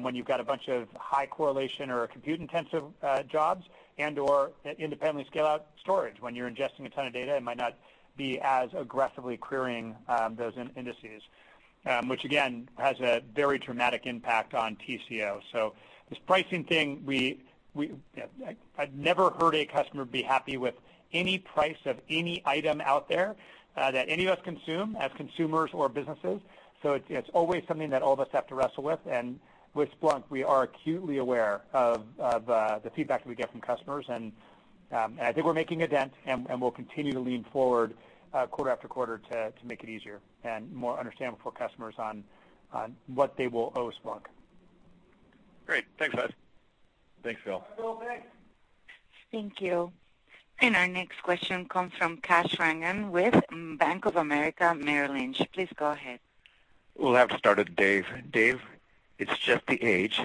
when you've got a bunch of high correlation or compute-intensive jobs and/or independently scale out storage. When you're ingesting a ton of data, it might not be as aggressively querying those indices, which again, has a very dramatic impact on TCO. This pricing thing, I've never heard a customer be happy with any price of any item out there that any of us consume as consumers or businesses. It's always something that all of us have to wrestle with. With Splunk, we are acutely aware of the feedback that we get from customers, and I think we're making a dent, and we'll continue to lean forward quarter after quarter to make it easier and more understandable for customers on what they will owe Splunk. Great. Thanks, guys. Thanks, Phil. Bye, Phil. Thanks. Thank you. Our next question comes from Kash Rangan with Bank of America Merrill Lynch. Please go ahead. We'll have to start with Dave. Dave, it's just the age,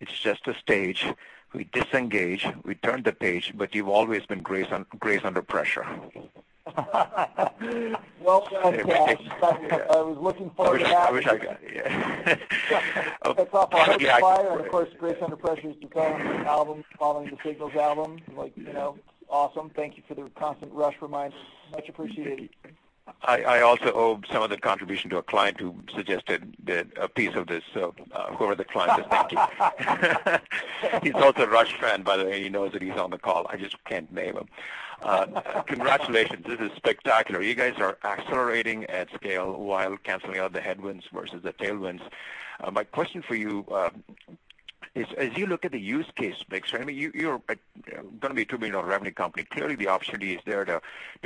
it's just a stage. We disengage, we turn the page, you've always been Grace Under Pressure. Well done, Kash. I was looking forward to that. I wish I could, yeah. Hats off on "Holy Fire," of course, Grace Under Pressure is the title of the album, "Following the Signals" album. Awesome. Thank you for the constant Rush reminders. Much appreciated. I also owe some of the contribution to a client who suggested a piece of this, whoever the client is, thank you. He's also a Rush fan, by the way. He knows that he's on the call. I just can't name him. Congratulations. This is spectacular. You guys are accelerating at scale while canceling out the headwinds versus the tailwinds. My question for you is, as you look at the use case mix, you're going to be a $2 billion revenue company. Clearly, the opportunity is there to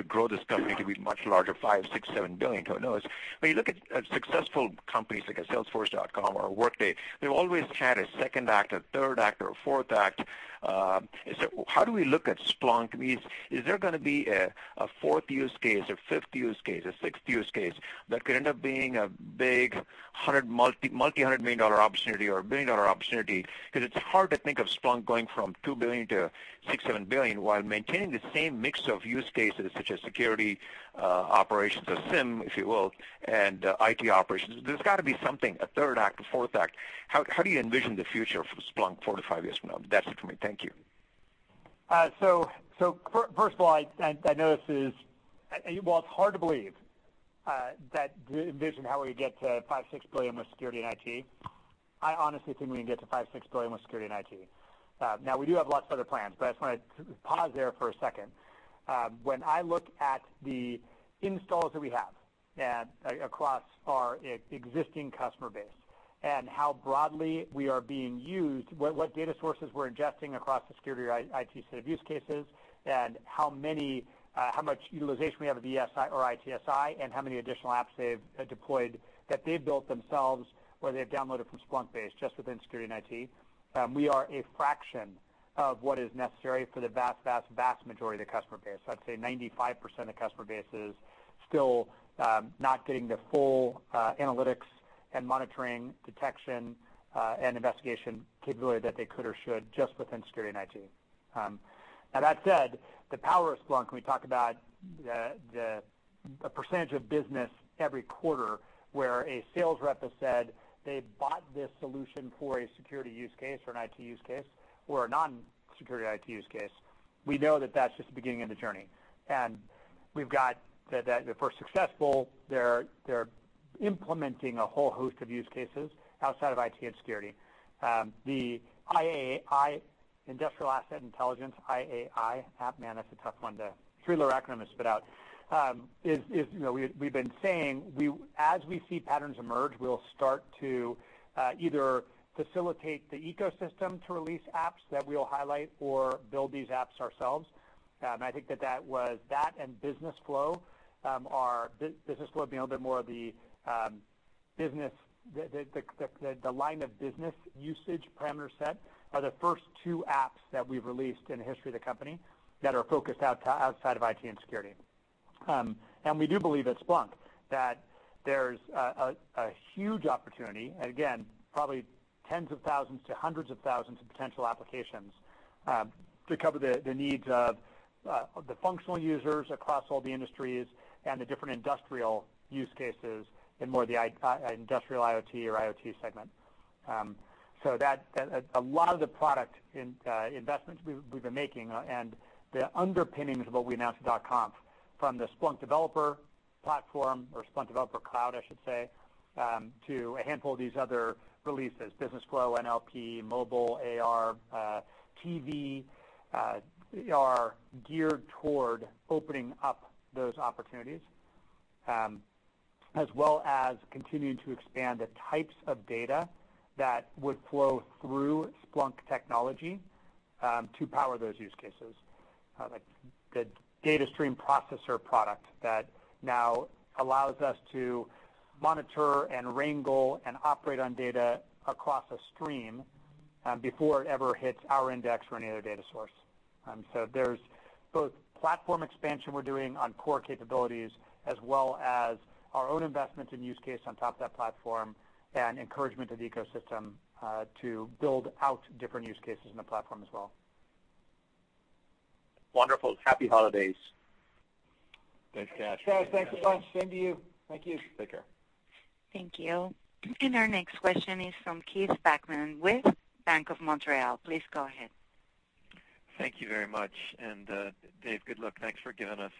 grow this company to be much larger, five, six, $7 billion. Who knows? When you look at successful companies like a Salesforce.com or a Workday, they've always had a second act, a third act, or a fourth act. How do we look at Splunk? Is there going to be a fourth use case, a fifth use case, a sixth use case that could end up being a big multi-hundred-million-dollar opportunity or a billion-dollar opportunity? Because it's hard to think of Splunk going from $2 billion to six, $7 billion while maintaining the same mix of use cases such as security operations, or SIEM, if you will, and IT operations. There's got to be something, a third act, a fourth act. How do you envision the future for Splunk four to five years from now? That's it for me. Thank you. First of all, I noticed is, well, it's hard to believe that the envision how we get to five, six billion with security and IT. I honestly think we can get to five, six billion with security and IT. Now, we do have lots of other plans, I just want to pause there for a second. When I look at the installs that we have across our existing customer base, how broadly we are being used, what data sources we're ingesting across the security or IT set of use cases, how much utilization we have of ES or ITSI, how many additional apps they've deployed that they've built themselves or they've downloaded from Splunkbase just within security and IT. We are a fraction of what is necessary for the vast majority of the customer base. I'd say 95% of customer base is still not getting the full analytics and monitoring detection, and investigation capability that they could or should just within security and IT. That said, the power of Splunk, when we talk about the percentage of business every quarter where a sales rep has said they bought this solution for a security use case or an IT use case or a non-security IT use case. We know that that's just the beginning of the journey. If we're successful, they're implementing a whole host of use cases outside of IT and security. The IAI, Industrial Asset Intelligence, IAI app, man, that's a tough one. Three little acronyms spit out. We've been saying, as we see patterns emerge, we'll start to either facilitate the ecosystem to release apps that we'll highlight or build these apps ourselves. I think that and Business Flow. Business Flow being a little bit more of the line of business usage parameter set are the first two apps that we've released in the history of the company that are focused outside of IT and security. We do believe at Splunk that there's a huge opportunity, and again, probably 10s of thousands to 100s of thousands of potential applications to cover the needs of the functional users across all the industries and the different industrial use cases in more of the industrial IoT or IoT segment. A lot of the product investments we've been making and the underpinnings of what we announced at .conf from the Splunk Developer Platform or Splunk Developer Cloud, I should say, to a handful of these other releases, Business Flow, NLP, mobile, AR, TV are geared toward opening up those opportunities as well as continuing to expand the types of data that would flow through Splunk technology to power those use cases. Like the Data Stream Processor product that now allows us to monitor and wrangle and operate on data across a stream before it ever hits our index or any other data source. There's both platform expansion we're doing on core capabilities as well as our own investments in use case on top of that platform, encouragement of the ecosystem to build out different use cases in the platform as well. Wonderful. Happy holidays. Thanks, Kash. Kash, thanks a bunch. Same to you. Thank you. Take care. Thank you. Our next question is from Keith Bachman with Bank of Montreal. Please go ahead. Thank you very much. Dave, good luck. Thanks for giving us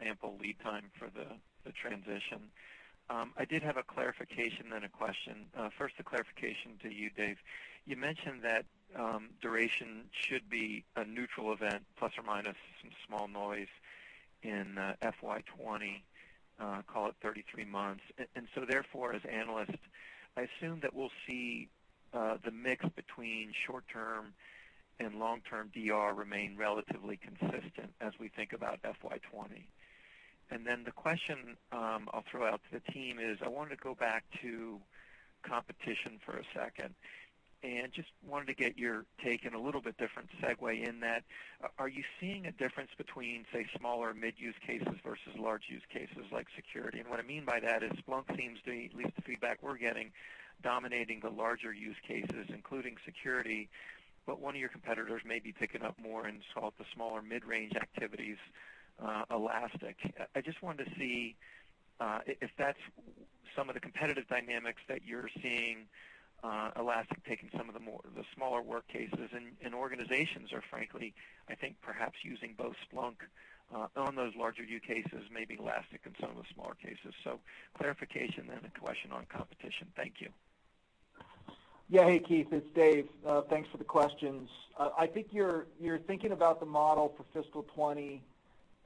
ample lead time for the transition. I did have a clarification, then a question. First the clarification to you, Dave. You mentioned that duration should be a neutral event, plus or minus some small noise in FY 2020, call it 33 months. Therefore, as analysts, I assume that we'll see the mix between short-term and long-term DR remain relatively consistent as we think about FY 2020. The question I'll throw out to the team is, I wanted to go back to competition for a second. Just wanted to get your take in a little bit different segue in that, are you seeing a difference between, say, small or mid use cases versus large use cases like security? What I mean by that is Splunk seems to, at least the feedback we're getting, dominating the larger use cases, including security, but one of your competitors may be picking up more and solve the smaller mid-range activities, Elastic. I just wanted to see if that's some of the competitive dynamics that you're seeing Elastic taking some of the smaller work cases, and organizations are frankly, I think perhaps using both Splunk on those larger use cases, maybe Elastic in some of the smaller cases. Clarification then the question on competition. Thank you. Hey, Keith, it's Dave. Thanks for the questions. I think you're thinking about the model for fiscal 2020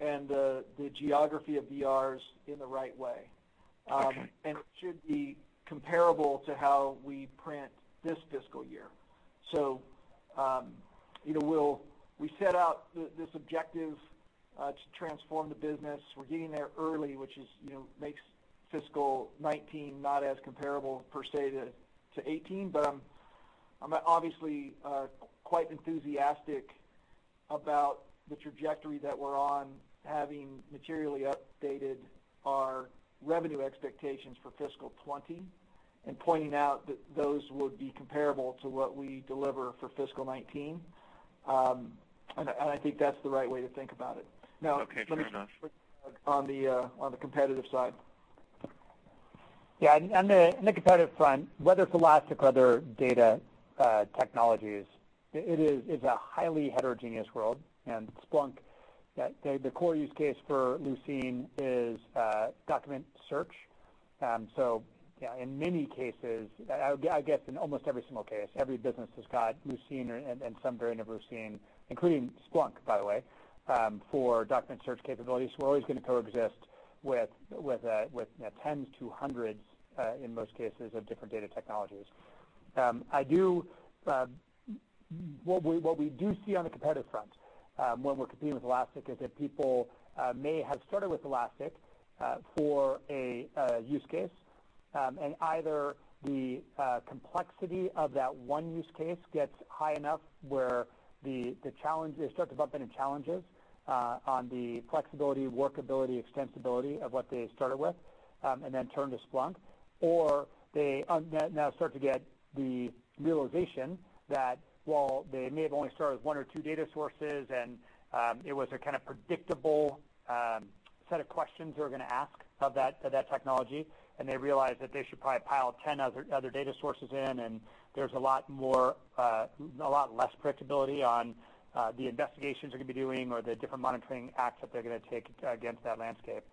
and the geography of DRs in the right way. Okay. It should be comparable to how we print this fiscal year. We set out this objective to transform the business. We're getting there early, which makes fiscal 2019 not as comparable per se to 2018. I'm obviously quite enthusiastic about the trajectory that we're on, having materially updated our revenue expectations for fiscal 2020, pointing out that those would be comparable to what we deliver for fiscal 2019. I think that's the right way to think about it. Okay. Fair enough Let me switch on the competitive side. Yeah. On the competitive front, whether it's Elastic or other data technologies, it is a highly heterogeneous world. Splunk, the core use case for Lucene is document search. In many cases, I guess in almost every single case, every business has got Lucene or some variant of Lucene, including Splunk, by the way, for document search capabilities, we're always going to coexist with tens to hundreds, in most cases, of different data technologies. What we do see on the competitive front when we're competing with Elastic is that people may have started with Elastic for a use case, and either the complexity of that one use case gets high enough where it starts to bump into challenges on the flexibility, workability, extensibility of what they started with, and then turn to Splunk, or they now start to get the realization that while they may have only started with one or two data sources, and it was a kind of predictable set of questions they were going to ask of that technology, and they realized that they should probably pile 10 other data sources in, and there's a lot less predictability on the investigations they're going to be doing or the different monitoring acts that they're going to take against that landscape.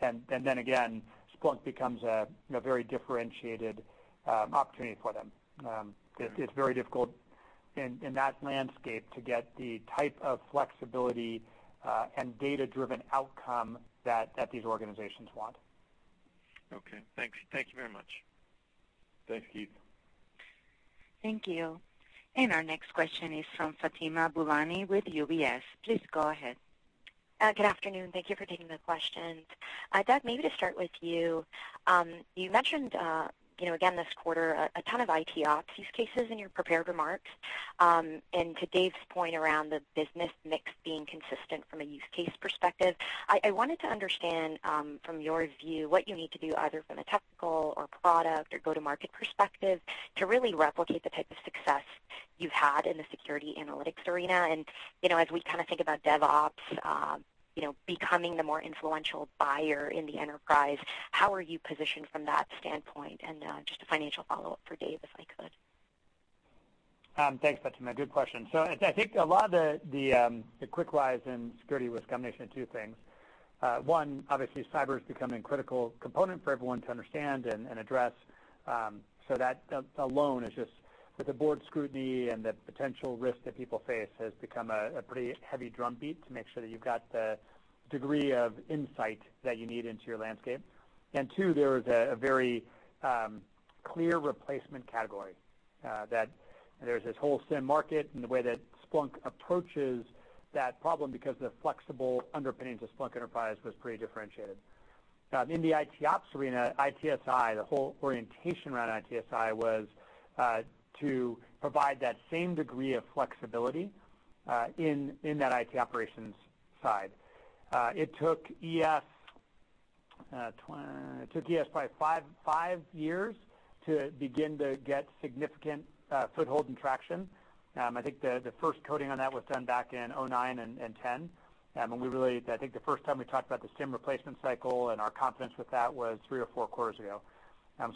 Then again, Splunk becomes a very differentiated opportunity for them. It's very difficult in that landscape to get the type of flexibility and data-driven outcome that these organizations want. Okay, thanks. Thank you very much. Thanks, Keith. Thank you. Our next question is from Fatima Boolani with UBS. Please go ahead. Good afternoon. Thank you for taking the questions. Doug, maybe to start with you. You mentioned, again this quarter, a ton of ITOps use cases in your prepared remarks. To Dave's point around the business mix being consistent from a use case perspective, I wanted to understand from your view what you need to do, either from a technical or product or go-to-market perspective, to really replicate the type of success you've had in the security analytics arena. As we think about DevOps becoming the more influential buyer in the enterprise, how are you positioned from that standpoint? Just a financial follow-up for Dave, if I could. Thanks, Fatima. Good question. I think a lot of the quick rise in security was a combination of two things. One, obviously cyber is becoming a critical component for everyone to understand and address. That alone is just with the board scrutiny and the potential risk that people face has become a pretty heavy drumbeat to make sure that you've got the degree of insight that you need into your landscape. Two, there is a very clear replacement category, that there's this whole SIEM market and the way that Splunk approaches that problem because the flexible underpinnings of Splunk Enterprise was pretty differentiated. In the ITOps arena, ITSI, the whole orientation around ITSI was to provide that same degree of flexibility in that IT operations side. It took ES probably five years to begin to get significant foothold and traction. I think the first coding on that was done back in 2009 and 2010. I think the first time we talked about the SIEM replacement cycle and our confidence with that was three or four quarters ago.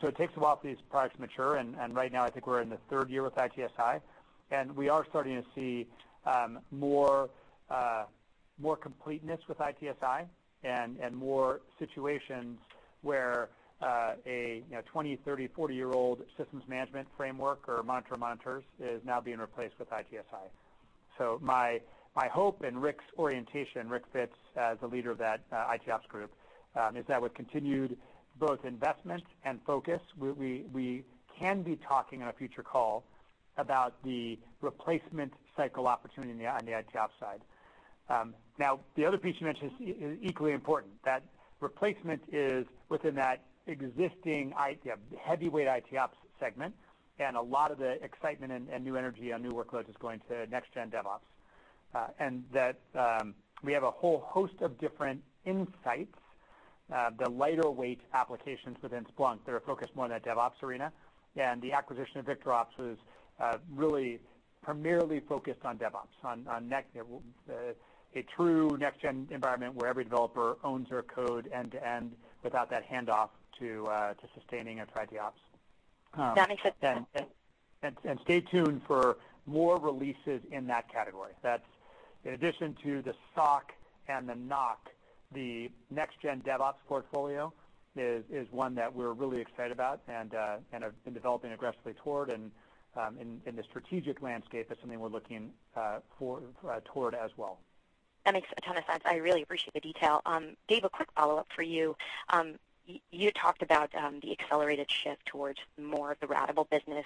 It takes a while for these products to mature, and right now I think we're in the third year with ITSI, and we are starting to see more completeness with ITSI and more situations where a 20, 30, 40-year-old systems management framework or monitor of monitors is now being replaced with ITSI. My hope and Rick's orientation, Rick Fitz, the leader of that ITOps group, is that with continued both investment and focus, we can be talking on a future call about the replacement cycle opportunity on the ITOps side. The other piece you mentioned is equally important, that replacement is within that existing heavyweight ITOps segment, and a lot of the excitement and new energy on new workloads is going to next-gen DevOps. That we have a whole host of different insights, the lighter weight applications within Splunk that are focused more on that DevOps arena. The acquisition of VictorOps was really primarily focused on DevOps, on a true next-gen environment where every developer owns their code end to end without that handoff to sustaining a tradIOps. That makes sense. Stay tuned for more releases in that category. That's in addition to the SOC and the NOC, the next-gen DevOps portfolio is one that we're really excited about and have been developing aggressively toward, in the strategic landscape, that's something we're looking toward as well. That makes a ton of sense. I really appreciate the detail. Dave, a quick follow-up for you. You talked about the accelerated shift towards more of the ratable business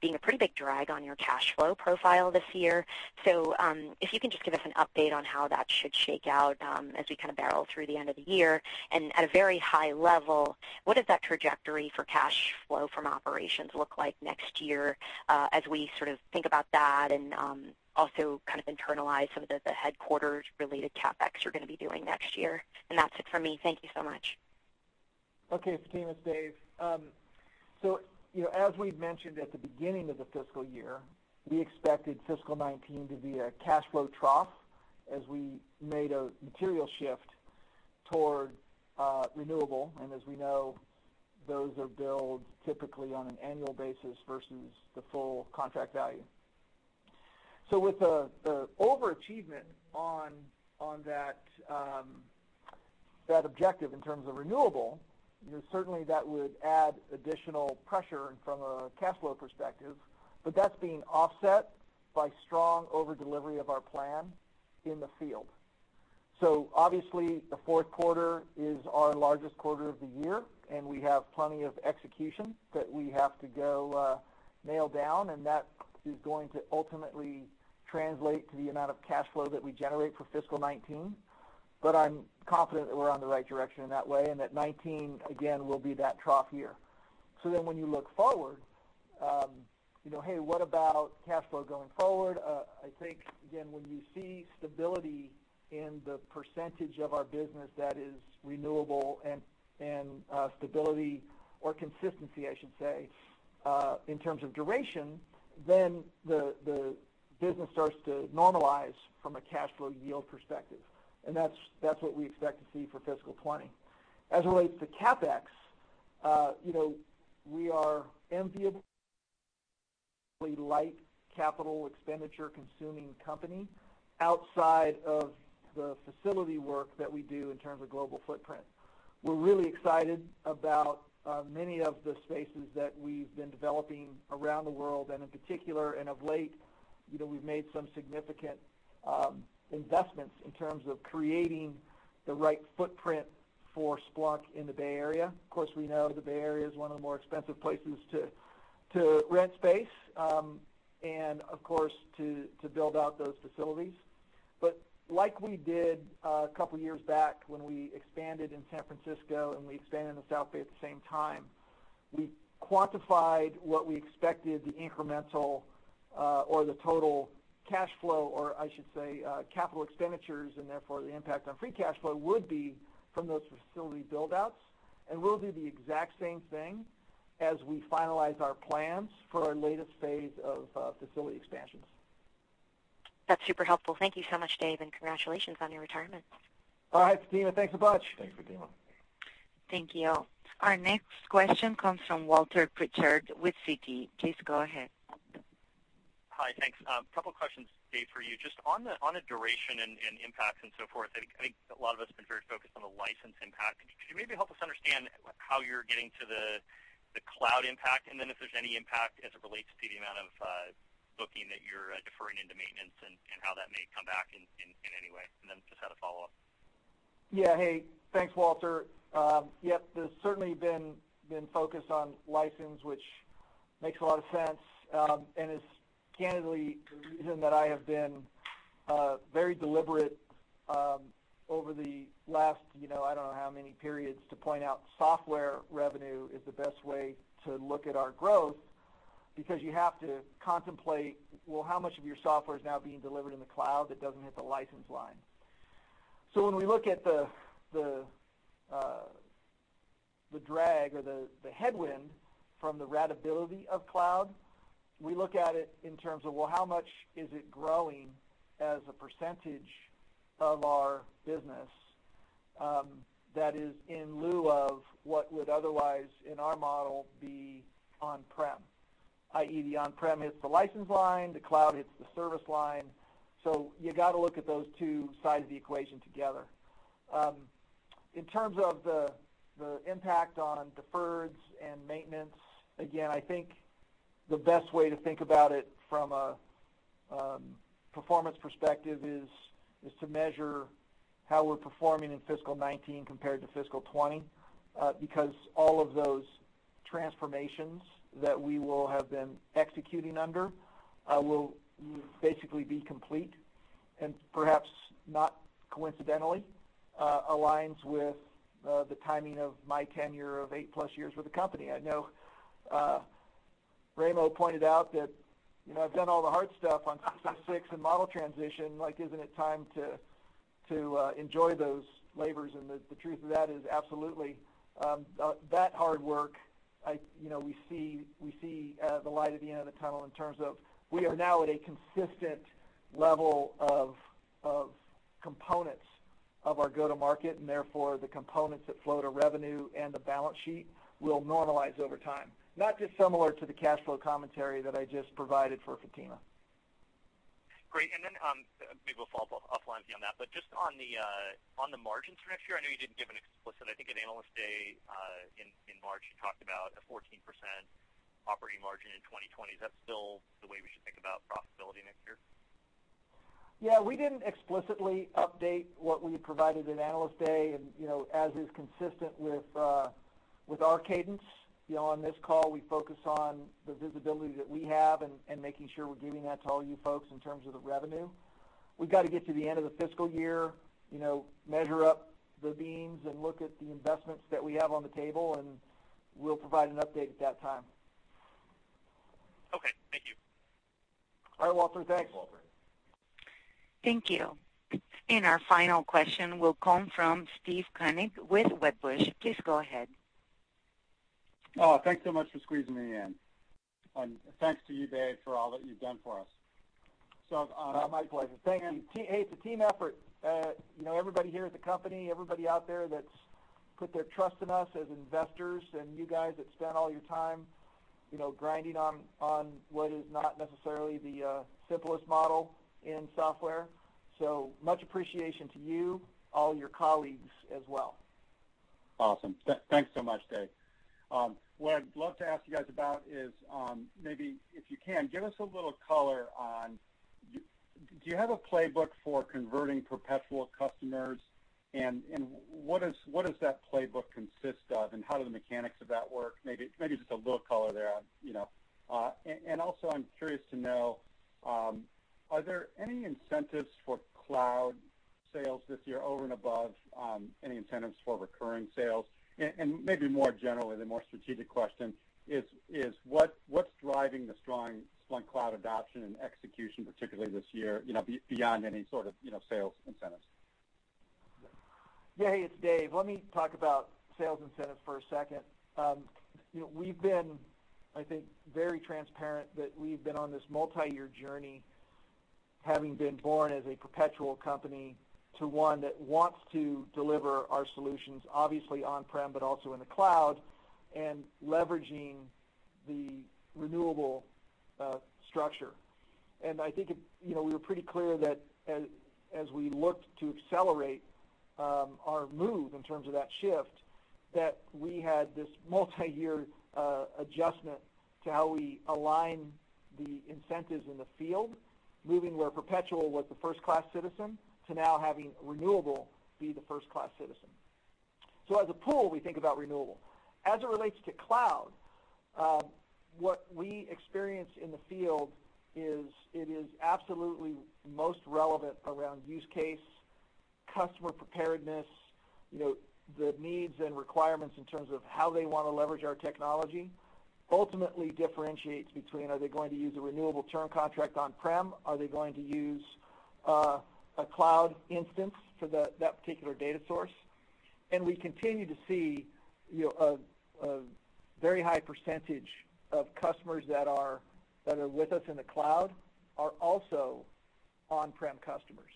being a pretty big drag on your cash flow profile this year. If you can just give us an update on how that should shake out as we barrel through the end of the year. At a very high level, what does that trajectory for cash flow from operations look like next year as we think about that and also internalize some of the headquarters-related CapEx you're going to be doing next year? That's it for me. Thank you so much. Okay, Fatima, it's Dave. As we've mentioned at the beginning of the fiscal year, we expected fiscal 2019 to be a cash flow trough as we made a material shift toward renewable. As we know, those are billed typically on an annual basis versus the full contract value. With the overachievement on that objective in terms of renewable, certainly that would add additional pressure from a cash flow perspective, but that's being offset by strong over-delivery of our plan in the field. Obviously the fourth quarter is our largest quarter of the year, and we have plenty of execution that we have to go nail down, and that is going to ultimately translate to the amount of cash flow that we generate for fiscal 2019. I'm confident that we're on the right direction in that way, and that 2019, again, will be that trough year. When you look forward, hey, what about cash flow going forward? I think, again, when you see stability in the percentage of our business that is renewable and stability or consistency, I should say, in terms of duration, then the business starts to normalize from a cash flow yield perspective. That's what we expect to see for fiscal 2020. As it relates to CapEx, we are enviably light capital expenditure-consuming company outside of the facility work that we do in terms of global footprint. We're really excited about many of the spaces that we've been developing around the world, and in particular, and of late, we've made some significant investments in terms of creating the right footprint for Splunk in the Bay Area. Of course, we know the Bay Area is one of the more expensive places to rent space, and of course, to build out those facilities. Like we did a couple of years back when we expanded in San Francisco and we expanded in the South Bay at the same time, we quantified what we expected the incremental or the total cash flow, or I should say, capital expenditures, and therefore the impact on free cash flow would be from those facility build-outs. We'll do the exact same thing as we finalize our plans for our latest phase of facility expansions. That's super helpful. Thank you so much, Dave, and congratulations on your retirement. All right, Fatima. Thanks a bunch. Thanks, Fatima. Thank you. Our next question comes from Walter Pritchard with Citi. Please go ahead. Hi. Thanks. A couple of questions, Dave, for you. Just on the duration and impact and so forth, I think a lot of us have been very focused on the license impact. Could you maybe help us understand how you're getting to the cloud impact, then if there's any impact as it relates to the amount of booking that you're deferring into maintenance and how that may come back in any way? Then just had a follow-up. Yeah. Hey, thanks, Walter. Yep, there's certainly been focus on license, which makes a lot of sense. It's candidly the reason that I have been very deliberate over the last I don't know how many periods to point out software revenue is the best way to look at our growth because you have to contemplate, well, how much of your software is now being delivered in the cloud that doesn't hit the license line? When we look at the drag or the headwind from the ratability of cloud, we look at it in terms of, well, how much is it growing as a percentage of our business that is in lieu of what would otherwise in our model be on-prem, i.e., the on-prem hits the license line, the cloud hits the service line. You got to look at those two sides of the equation together. In terms of the impact on deferreds and maintenance, again, I think the best way to think about it from a performance perspective is to measure how we're performing in fiscal 2019 compared to fiscal 2020, because all of those transformations that we will have been executing under will basically be complete, and perhaps not coincidentally, aligns with the timing of my tenure of 8+ years with the company. I know Raimo pointed out that I've done all the hard stuff on ASC 606 and model transition. Like isn't it time to enjoy those labors? The truth of that is absolutely. That hard work, we see the light at the end of the tunnel in terms of we are now at a consistent level of components of our go-to-market, therefore the components that flow to revenue and the balance sheet will normalize over time. Not dissimilar to the cash flow commentary that I just provided for Fatima. Great. Maybe we'll follow up offline on that, just on the margins for next year, I know you didn't give an explicit. I think at Analyst Day in March, you talked about a 14% operating margin in 2020. Is that still the way we should think about profitability next year? Yeah, we didn't explicitly update what we provided at Analyst Day. As is consistent with our cadence on this call, we focus on the visibility that we have and making sure we're giving that to all you folks in terms of the revenue. We've got to get to the end of the fiscal year, measure up the beams and look at the investments that we have on the table, and we'll provide an update at that time. Okay. Thank you. All right, Walter. Thanks. Thanks, Walter. Thank you. Our final question will come from Steve Koenig with Wedbush. Please go ahead. Thanks so much for squeezing me in. Thanks to you, Dave, for all that you've done for us. My pleasure. Thank you. Hey, it's a team effort. Everybody here at the company, everybody out there that's put their trust in us as investors, and you guys that spent all your time grinding on what is not necessarily the simplest model in software. Much appreciation to you, all your colleagues as well. Awesome. Thanks so much, Dave. What I'd love to ask you guys about is, maybe if you can, give us a little color on do you have a playbook for converting perpetual customers, and what does that playbook consist of, and how do the mechanics of that work? Maybe just a little color there. Also, I'm curious to know, are there any incentives for cloud sales this year over and above any incentives for recurring sales? Maybe more generally, the more strategic question is what's driving the strong Splunk Cloud adoption and execution, particularly this year, beyond any sort of sales incentives? Yeah, it's Dave. Let me talk about sales incentives for a second. We've been, I think, very transparent that we've been on this multi-year journey, having been born as a perpetual company to one that wants to deliver our solutions, obviously on-prem, but also in the cloud, and leveraging the renewable structure. I think we were pretty clear that as we looked to accelerate our move in terms of that shift, that we had this multi-year adjustment to how we align the incentives in the field, moving where perpetual was the first-class citizen, to now having renewable be the first-class citizen. As a pool, we think about renewable. As it relates to cloud, what we experience in the field is it is absolutely most relevant around use case, customer preparedness, the needs and requirements in terms of how they want to leverage our technology, ultimately differentiates between are they going to use a renewable term contract on-prem, are they going to use a cloud instance for that particular data source. We continue to see a very high % of customers that are with us in the cloud are also on-prem customers.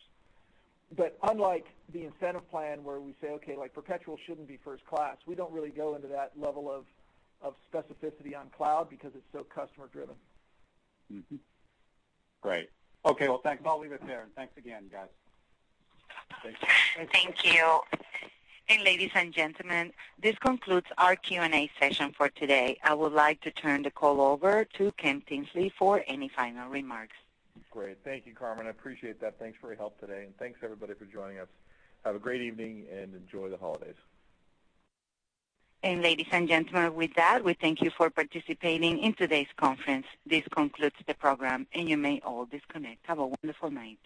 Unlike the incentive plan where we say, okay, perpetual shouldn't be first class, we don't really go into that level of specificity on cloud because it's so customer driven. Mm-hmm. Great. Okay. Well, thanks. I'll leave it there. Thanks again, guys. Thanks. Thank you. Ladies and gentlemen, this concludes our Q&A session for today. I would like to turn the call over to Ken Tinsley for any final remarks. Great. Thank you, Carmen. I appreciate that. Thanks for your help today, and thanks everybody for joining us. Have a great evening and enjoy the holidays. Ladies and gentlemen, with that, we thank you for participating in today's conference. This concludes the program, and you may all disconnect. Have a wonderful night.